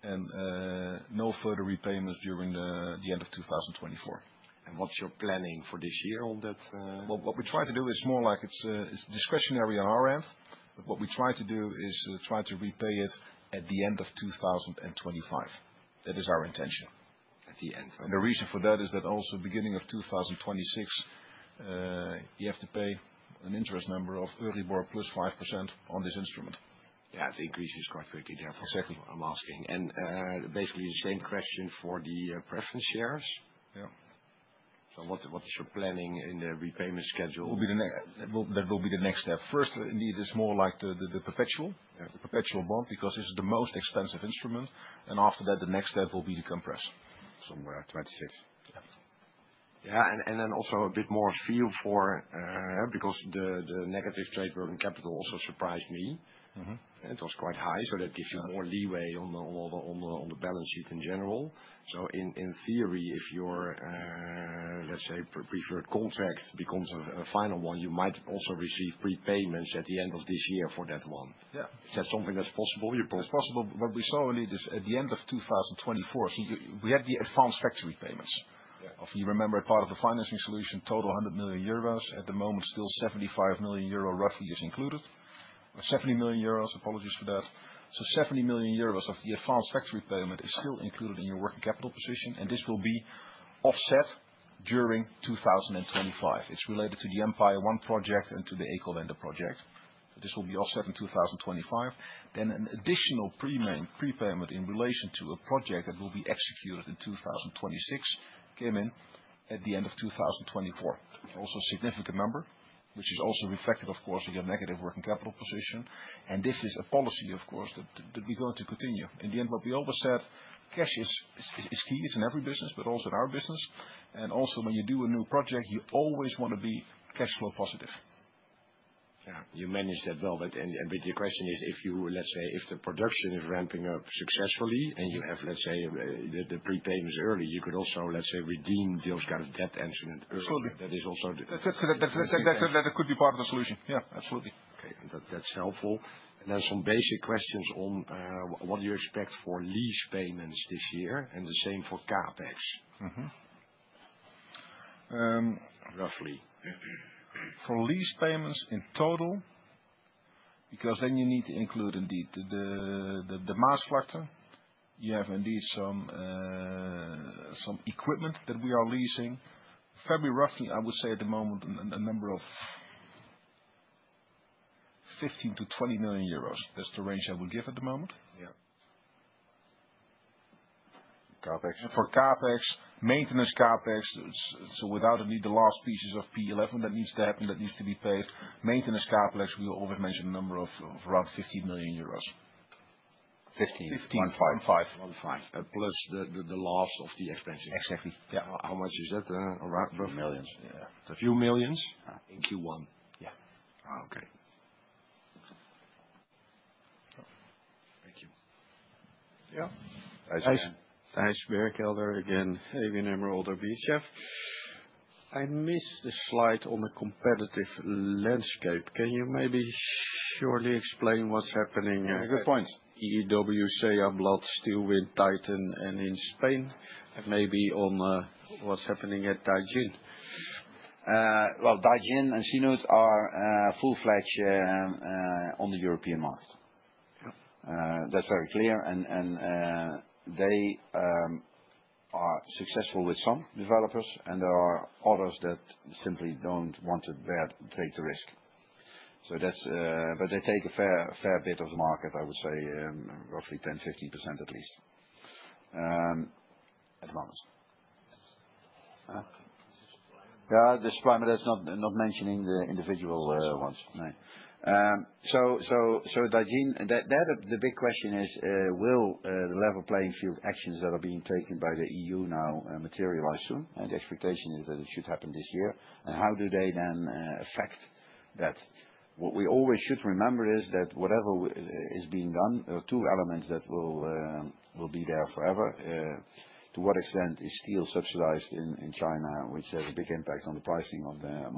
and no further repayments during the end of 2024. What's your planning for this year on that? What we try to do is more like it's discretionary on our end, but what we try to do is try to repay it at the end of 2025. That is our intention at the end. The reason for that is that also beginning of 2026, you have to pay an interest number of Euribor plus 5% on this instrument. Yeah. It increases quite quickly, therefore, is what I'm asking. Basically, the same question for the preference shares. Yeah. What is your planning in the repayment schedule? That will be the next step. First, indeed, it's more like the perpetual bond because this is the most expensive instrument. After that, the next step will be the compress. Somewhere in 2026. Yeah. Also, a bit more fear for because the negative trade working capital also surprised me. It was quite high, so that gives you more leeway on the balance sheet in general. In theory, if your, let's say, preferred contract becomes a final one, you might also receive prepayments at the end of this year for that one. Is that something that's possible? It's possible, but we saw at the end of 2024. We had the advanced factory payments. If you remember, part of the financing solution, total 100 million euros. At the moment, still 75 million euro roughly is included. 70 million euros, apologies for that. Seventy million euros of the advanced factory payment is still included in your working capital position, and this will be offset during 2025. It is related to the Empire One project and to the Eco Vendor project. This will be offset in 2025. An additional prepayment in relation to a project that will be executed in 2026 came in at the end of 2024. Also a significant number, which is also reflected, of course, you have negative working capital position. This is a policy, of course, that we are going to continue. In the end, what we always said, cash is key. It is in every business, but also in our business. Also, when you do a new project, you always want to be cash flow positive. Yeah. You managed that well. With your question, if the production is ramping up successfully and you have the prepayments early, you could also redeem those kind of debt instruments early. That could be part of the solution. Yeah. Absolutely. Okay. That's helpful. Some basic questions on what do you expect for lease payments this year and the same for CapEx, roughly. For lease payments in total, because then you need to include indeed the Maasvlakte. You have indeed some equipment that we are leasing. Fairly roughly, I would say at the moment, a number of 15 million-20 million euros. That's the range I would give at the moment. CapEx? For CapEx, maintenance CapEx. So without any of the last pieces of P11 that needs to happen, that needs to be paid. Maintenance CapEx, we always mention a number of around EUR 15 million. Fifteen. Fifteen. Fifteen. Plus the last of the expenses. Exactly. Yeah. How much is that? Around? A few millions. Yeah. A few millions. In Q1. Yeah. Okay. Thank you. Yeah. Thijs Berkelder again, ABN AMRO & ODDO BHF. I missed the slide on the competitive landscape. Can you maybe surely explain what's happening at— Good point. EEW, SeAH of Bladt, Steelwind, Titan, and in Spain, and maybe on what's happening at Dongfang. Well, Dijon and Chanute are full-fledged on the European market. That's very clear. And they are successful with some developers, and there are others that simply don't want to take the risk. They take a fair bit of the market, I would say, roughly 10-15% at least at the moment. Yeah. This is fine. But that's not mentioning the individual ones. No. Dijon, the big question is, will the level playing field actions that are being taken by the EU now materialize soon? The expectation is that it should happen this year. How do they then affect that? What we always should remember is that whatever is being done, there are two elements that will be there forever. To what extent is steel subsidized in China, which has a big impact on the pricing of the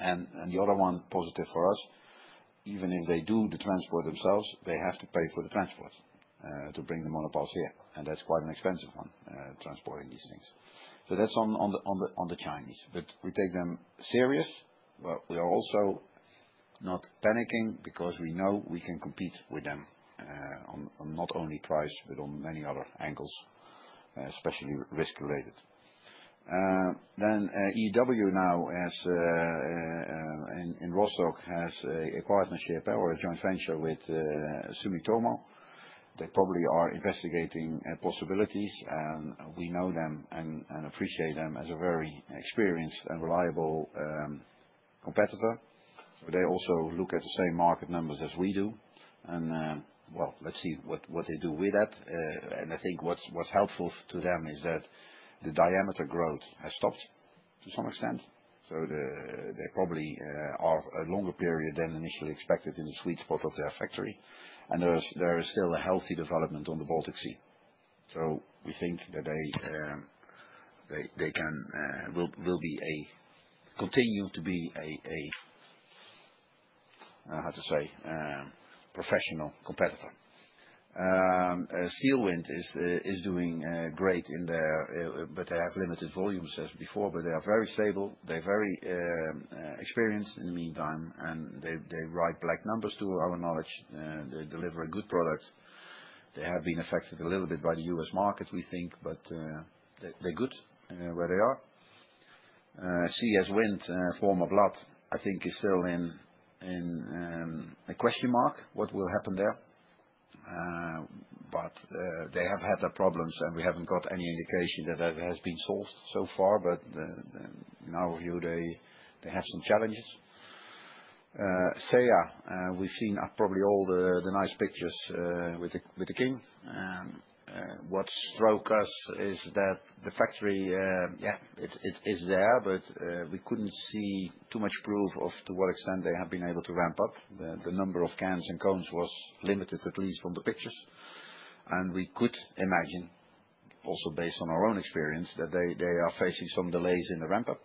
monopiles? The other one, positive for us, even if they do the transport themselves, they have to pay for the transport to bring the monopiles here. That is quite an expensive one, transporting these things. That is on the Chinese. We take them serious. We are also not panicking because we know we can compete with them on not only price, but on many other angles, especially risk-related. EEW now in Rostock has acquired a joint venture with Sumitomo. They probably are investigating possibilities, and we know them and appreciate them as a very experienced and reliable competitor. They also look at the same market numbers as we do. Let's see what they do with that. I think what's helpful to them is that the diameter growth has stopped to some extent. They probably are a longer period than initially expected in the sweet spot of their factory. There is still a healthy development on the Baltic Sea. We think that they will continue to be a, how to say, professional competitor. Steelwind is doing great in their, but they have limited volumes as before, but they are very stable. They are very experienced in the meantime, and they write black numbers to our knowledge. They deliver a good product. They have been affected a little bit by the U.S. market, we think, but they're good where they are. CS WIND, former Bladt, I think is still in a question mark, what will happen there. They have had their problems, and we haven't got any indication that that has been solved so far, but in our view, they have some challenges. SeAH, we've seen probably all the nice pictures with the king. What struck us is that the factory, yeah, it is there, but we couldn't see too much proof of to what extent they have been able to ramp up. The number of cans and cones was limited, at least on the pictures. We could imagine, also based on our own experience, that they are facing some delays in the ramp-up,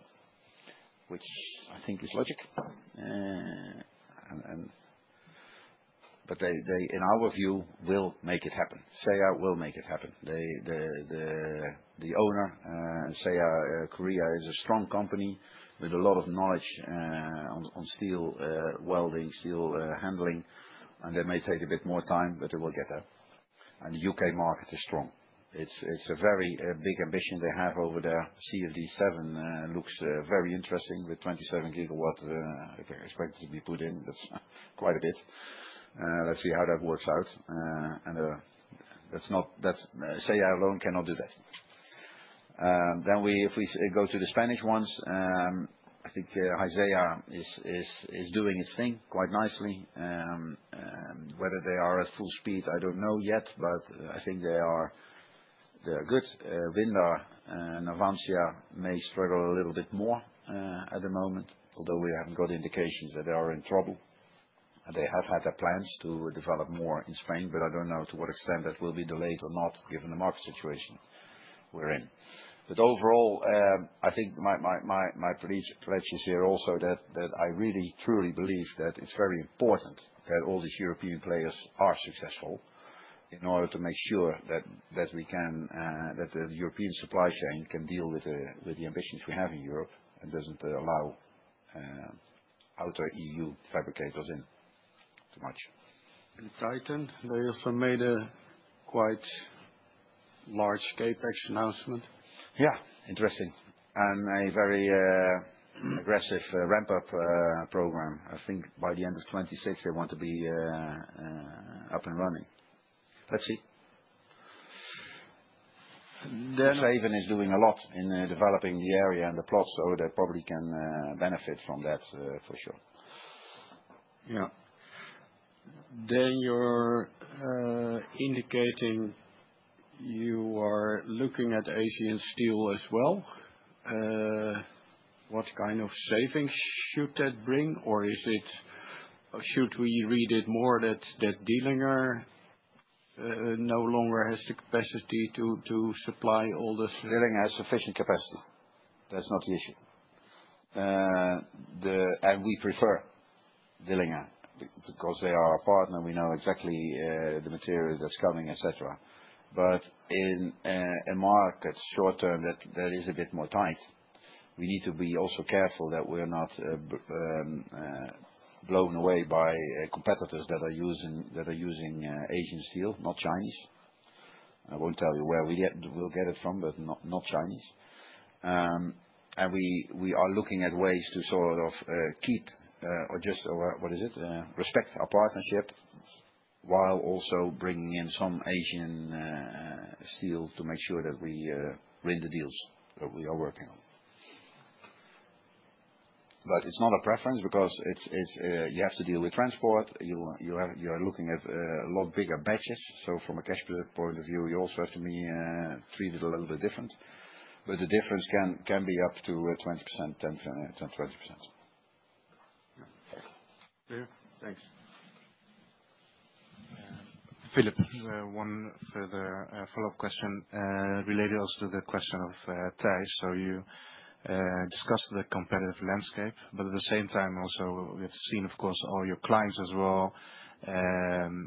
which I think is logic. They, in our view, will make it happen. SeAH will make it happen. The owner and Hyundai is a strong company with a lot of knowledge on steel welding, steel handling, and they may take a bit more time, but they will get there. The U.K. market is strong. It is a very big ambition they have over there. CFD7 looks very interesting with 27 gigawatts expected to be put in. That is quite a bit. Let's see how that works out. That is not that SeAH alone cannot do that. If we go to the Spanish ones, I think HSY is doing its thing quite nicely. Whether they are at full speed, I do not know yet, but I think they are good. Windar and Navantia may struggle a little bit more at the moment, although we have not got indications that they are in trouble. They have had their plans to develop more in Spain, but I do not know to what extent that will be delayed or not given the market situation we are in. Overall, I think my pledge is here also that I really truly believe that it is very important that all these European players are successful in order to make sure that the European supply chain can deal with the ambitions we have in Europe and does not allow outer EU fabricators in too much. Titan also made a quite large-scale announcement. Interesting. A very aggressive ramp-up program. I think by the end of 2026, they want to be up and running. Let us see. Seawind is doing a lot in developing the area and the plots, so they probably can benefit from that for sure. You are indicating you are looking at Asian Steel as well. What kind of savings should that bring, or should we read it more that Dillinger no longer has the capacity to supply all this? Dillinger has sufficient capacity. That is not the issue. We prefer Dillinger because they are our partner. We know exactly the material that is coming, etc. In a market short term, that is a bit more tight. We need to be careful that we are not blown away by competitors that are using Asian Steel, not Chinese. I will not tell you where we get it from, but not Chinese. We are looking at ways to sort of keep or just, what is it, respect our partnership while also bringing in some Asian Steel to make sure that we win the deals that we are working on. It is not a preference because you have to deal with transport. You are looking at a lot bigger batches. From a cash point of view, you also have to be treated a little bit different. The difference can be up to 10%-20%. Yeah. Thanks. Philip, one further follow-up question related also to the question of Thijs. You discussed the competitive landscape, but at the same time, also we have seen, of course, all your clients as well,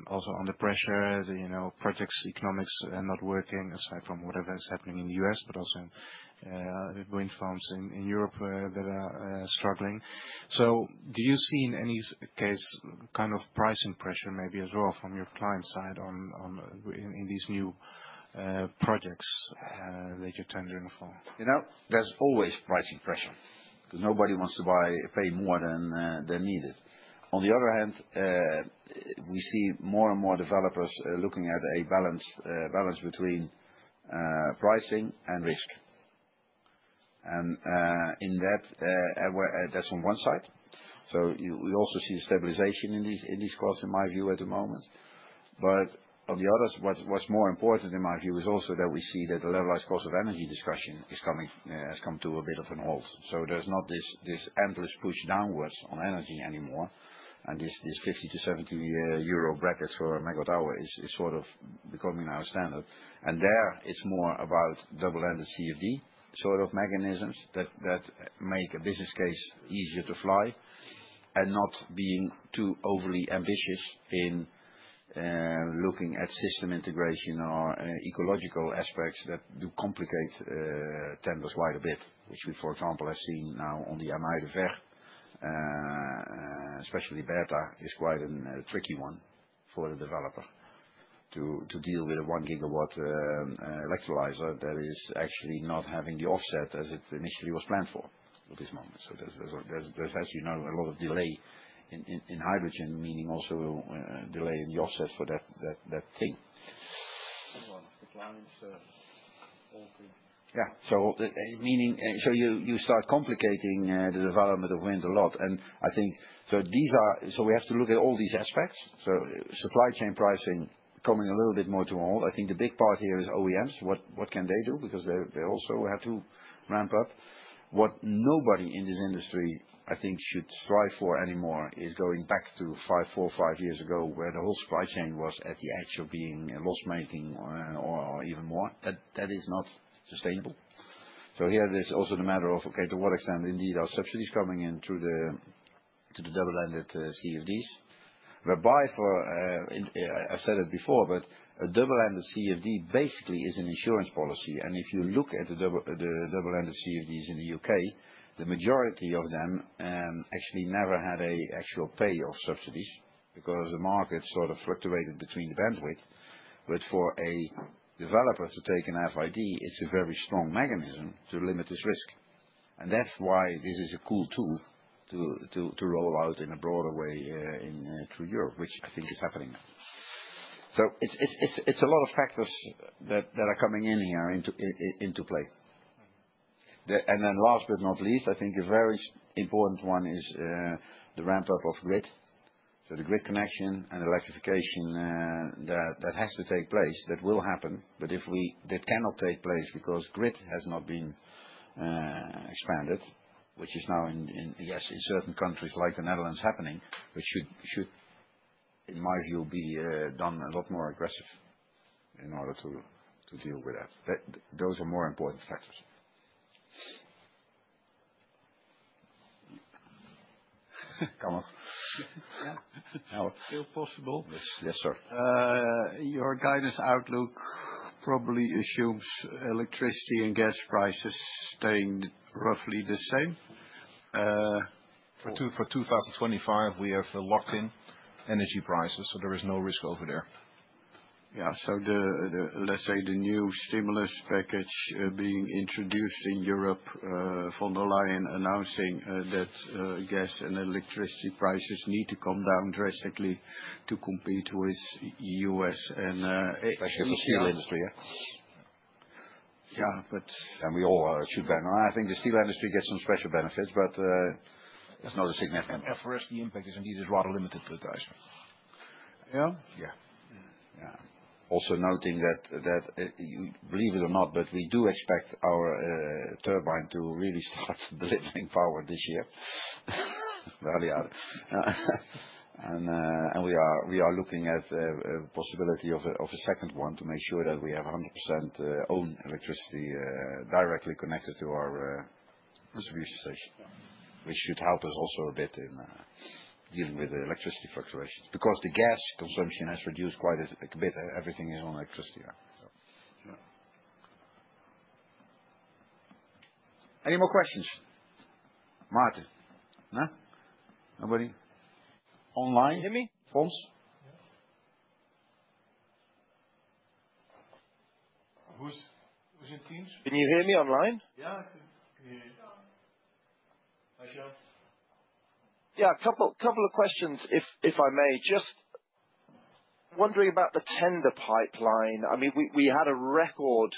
also under pressure, projects, economics not working aside from whatever is happening in the U.S., but also wind farms in Europe that are struggling. Do you see in any case kind of pricing pressure maybe as well from your client side in these new projects that you are tendering for? There is always pricing pressure because nobody wants to pay more than needed. On the other hand, we see more and more developers looking at a balance between pricing and risk. In that, that's on one side. We also see the stabilization in these costs, in my view, at the moment. What's more important, in my view, is also that we see that the levelized cost of energy discussion has come to a bit of a halt. There is not this endless push downwards on energy anymore. These 50-70 euro brackets for a megawatt hour are sort of becoming our standard. There, it's more about double-ended CFD sort of mechanisms that make a business case easier to fly and not being too overly ambitious in looking at system integration or ecological aspects that do complicate tenders quite a bit, which we, for example, have seen now on the [inaudible] Amaire Verte, especially Beta, is quite a tricky one for the developer to deal with a one-gigawatt electrolyzer that is actually not having the offset as it initially was planned for at this moment. As you know, there's a lot of delay in hydrogen, meaning also delay in the offset for that thing. The clients all. Yeah. You start complicating the development of wind a lot. I think we have to look at all these aspects. Supply chain pricing coming a little bit more to a halt. I think the big part here is OEMs. What can they do? Because they also have to ramp up. What nobody in this industry, I think, should strive for anymore is going back to four or five years ago where the whole supply chain was at the edge of being a loss-making or even more. That is not sustainable. Here, it's also the matter of, okay, to what extent indeed are subsidies coming in through the double-ended CFDs? I've said it before, but a double-ended CFD basically is an insurance policy. If you look at the double-ended CFDs in the U.K., the majority of them actually never had an actual pay of subsidies because the market sort of fluctuated between the bandwidth. For a developer to take an FID, it's a very strong mechanism to limit this risk. That is why this is a cool tool to roll out in a broader way through Europe, which I think is happening now. It is a lot of factors that are coming in here into play. Last but not least, I think a very important one is the ramp-up of grid. The grid connection and electrification that has to take place, that will happen, but that cannot take place because grid has not been expanded, which is now, yes, in certain countries like the Netherlands happening, which should, in my view, be done a lot more aggressively in order to deal with that. Those are more important factors. Come on. Yeah. Still possible. Yes, sir. Your guidance outlook probably assumes electricity and gas prices staying roughly the same. For 2025, we have locked-in energy prices, so there is no risk over there. Yeah. Let's say the new stimulus package being introduced in Europe, von der Leyen announcing that gas and electricity prices need to come down drastically to compete with the U.S. and especially the steel industry. Yeah. Yeah. We all should bet. I think the steel industry gets some special benefits, but it's not a significant one. For us, the impact is indeed rather limited to the price. Yeah? Yeah. Yeah. Also noting that, believe it or not, we do expect our turbine to really start delivering power this year. We are looking at the possibility of a second one to make sure that we have 100% own electricity directly connected to our distribution station, which should help us also a bit in dealing with the electricity fluctuations because the gas consumption has reduced quite a bit. Everything is on electricity. Any more questions? Martin? No? Nobody? Online? Jimmy? Forms? Yeah. Who's in Teams? Can you hear me online? Yeah. I can hear you. Hi, Sean. Yeah. A couple of questions, if I may. Just wondering about the tender pipeline. I mean, we had a record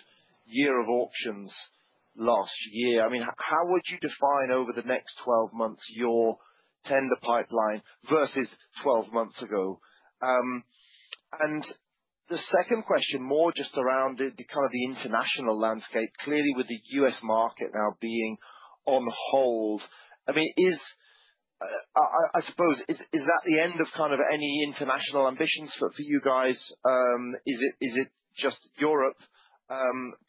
year of auctions last year. I mean, how would you define over the next 12 months your tender pipeline versus 12 months ago? The second question, more just around kind of the international landscape, clearly with the U.S. market now being on hold, I mean, I suppose, is that the end of kind of any international ambitions for you guys? Is it just Europe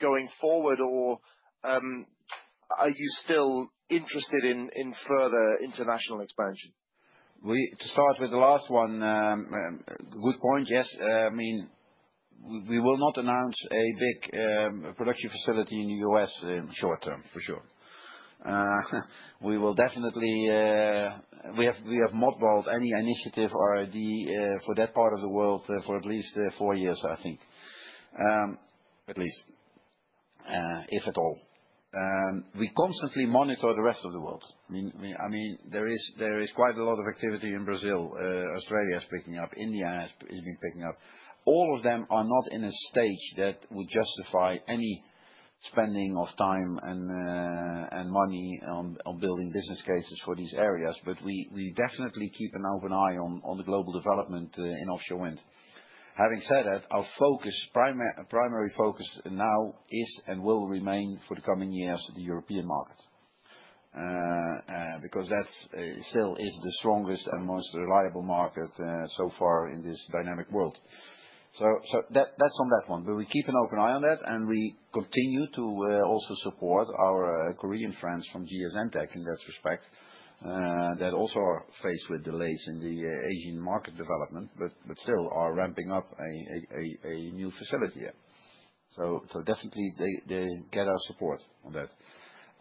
going forward, or are you still interested in further international expansion? To start with the last one, good point. Yes. I mean, we will not announce a big production facility in the U.S. in the short term, for sure. We will definitely—we have mobbed any initiative or idea for that part of the world for at least four years, I think. At least, if at all. We constantly monitor the rest of the world. I mean, there is quite a lot of activity in Brazil. Australia is picking up. India has been picking up. All of them are not in a stage that would justify any spending of time and money on building business cases for these areas, but we definitely keep an open eye on the global development in offshore wind. Having said that, our primary focus now is and will remain for the coming years the European market because that still is the strongest and most reliable market so far in this dynamic world. That is on that one. We keep an open eye on that, and we continue to also support our Korean friends from GSM Tech in that respect that also are faced with delays in the Asian market development, but still are ramping up a new facility here. Definitely, they get our support on that.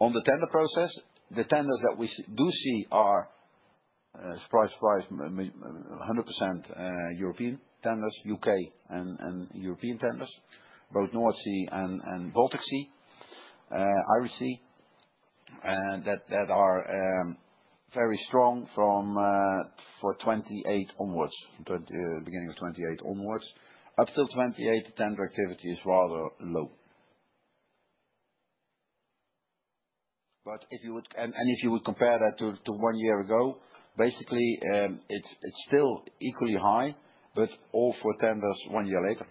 On the tender process, the tenders that we do see are, surprise, surprise, 100% European tenders, U.K. and European tenders, both North Sea and Baltic Sea, Irish Sea, that are very strong for 2028 onwards, beginning of 2028 onwards. Up till 2028, the tender activity is rather low. If you would compare that to one year ago, basically, it is still equally high, but all for tenders one year later.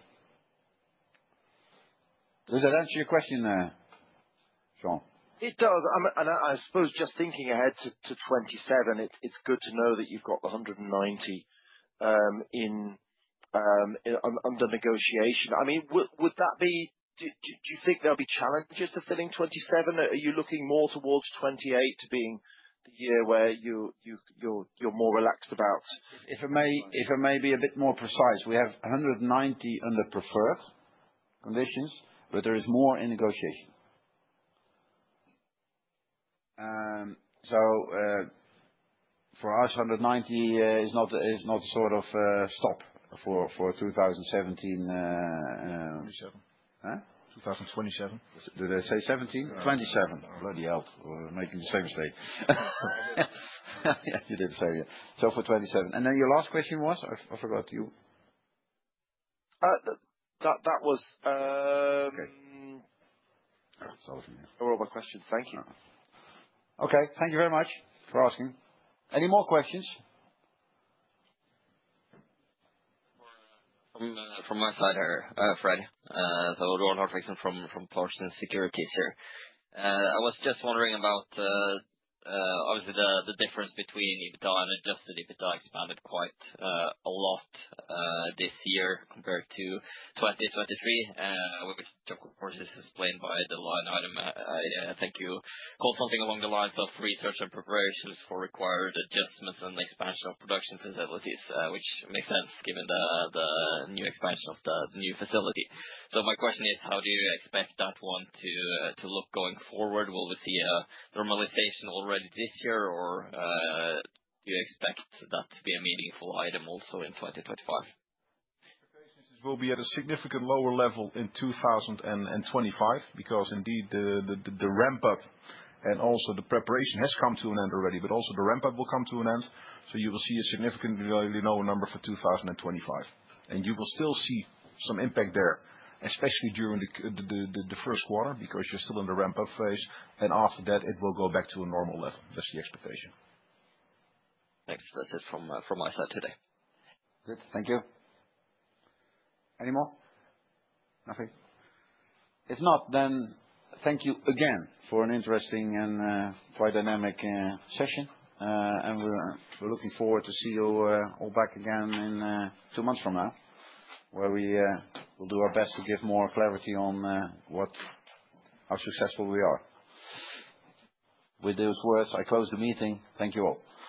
Does that answer your question, Sean? It does. I suppose just thinking ahead to 2027, it is good to know that you have got the 190 under negotiation. I mean, would that be—do you think there'll be challenges to filling 27? Are you looking more towards 28 being the year where you're more relaxed about? If I may be a bit more precise, we have 190 under preferred conditions, but there is more in negotiation. For us, 190 is not sort of a stop for 2017. Huh? 2027. Did I say 17? 2027. Bloody hell. We're making the same mistake. You did the same here. For 2027. Your last question was? I forgot. That was—Okay. Sorry for my question. Thank you. Okay. Thank you very much for asking. Any more questions? From my side here, Fred. Ronald Hutchinson from Clarkson Securities here. I was just wondering about, obviously, the difference between EBITDA and adjusted EBITDA expanded quite a lot this year compared to 2023, which, of course, is explained by the line item I think you called something along the lines of research and preparations for required adjustments and expansion of production facilities, which makes sense given the new expansion of the new facility. My question is, how do you expect that one to look going forward? Will we see a normalization already this year, or do you expect that to be a meaningful item also in 2025? Preparations will be at a significant lower level in 2025 because, indeed, the ramp-up and also the preparation has come to an end already, but also the ramp-up will come to an end. You will see a significantly lower number for 2025. You will still see some impact there, especially during the first quarter because you're still in the ramp-up phase. After that, it will go back to a normal level. That's the expectation. Thanks. That's it from my side today. Good. Thank you. Any more? Nothing? If not, thank you again for an interesting and quite dynamic session. We're looking forward to see you all back again in two months from now, where we will do our best to give more clarity on how successful we are. With those words, I close the meeting. Thank you all.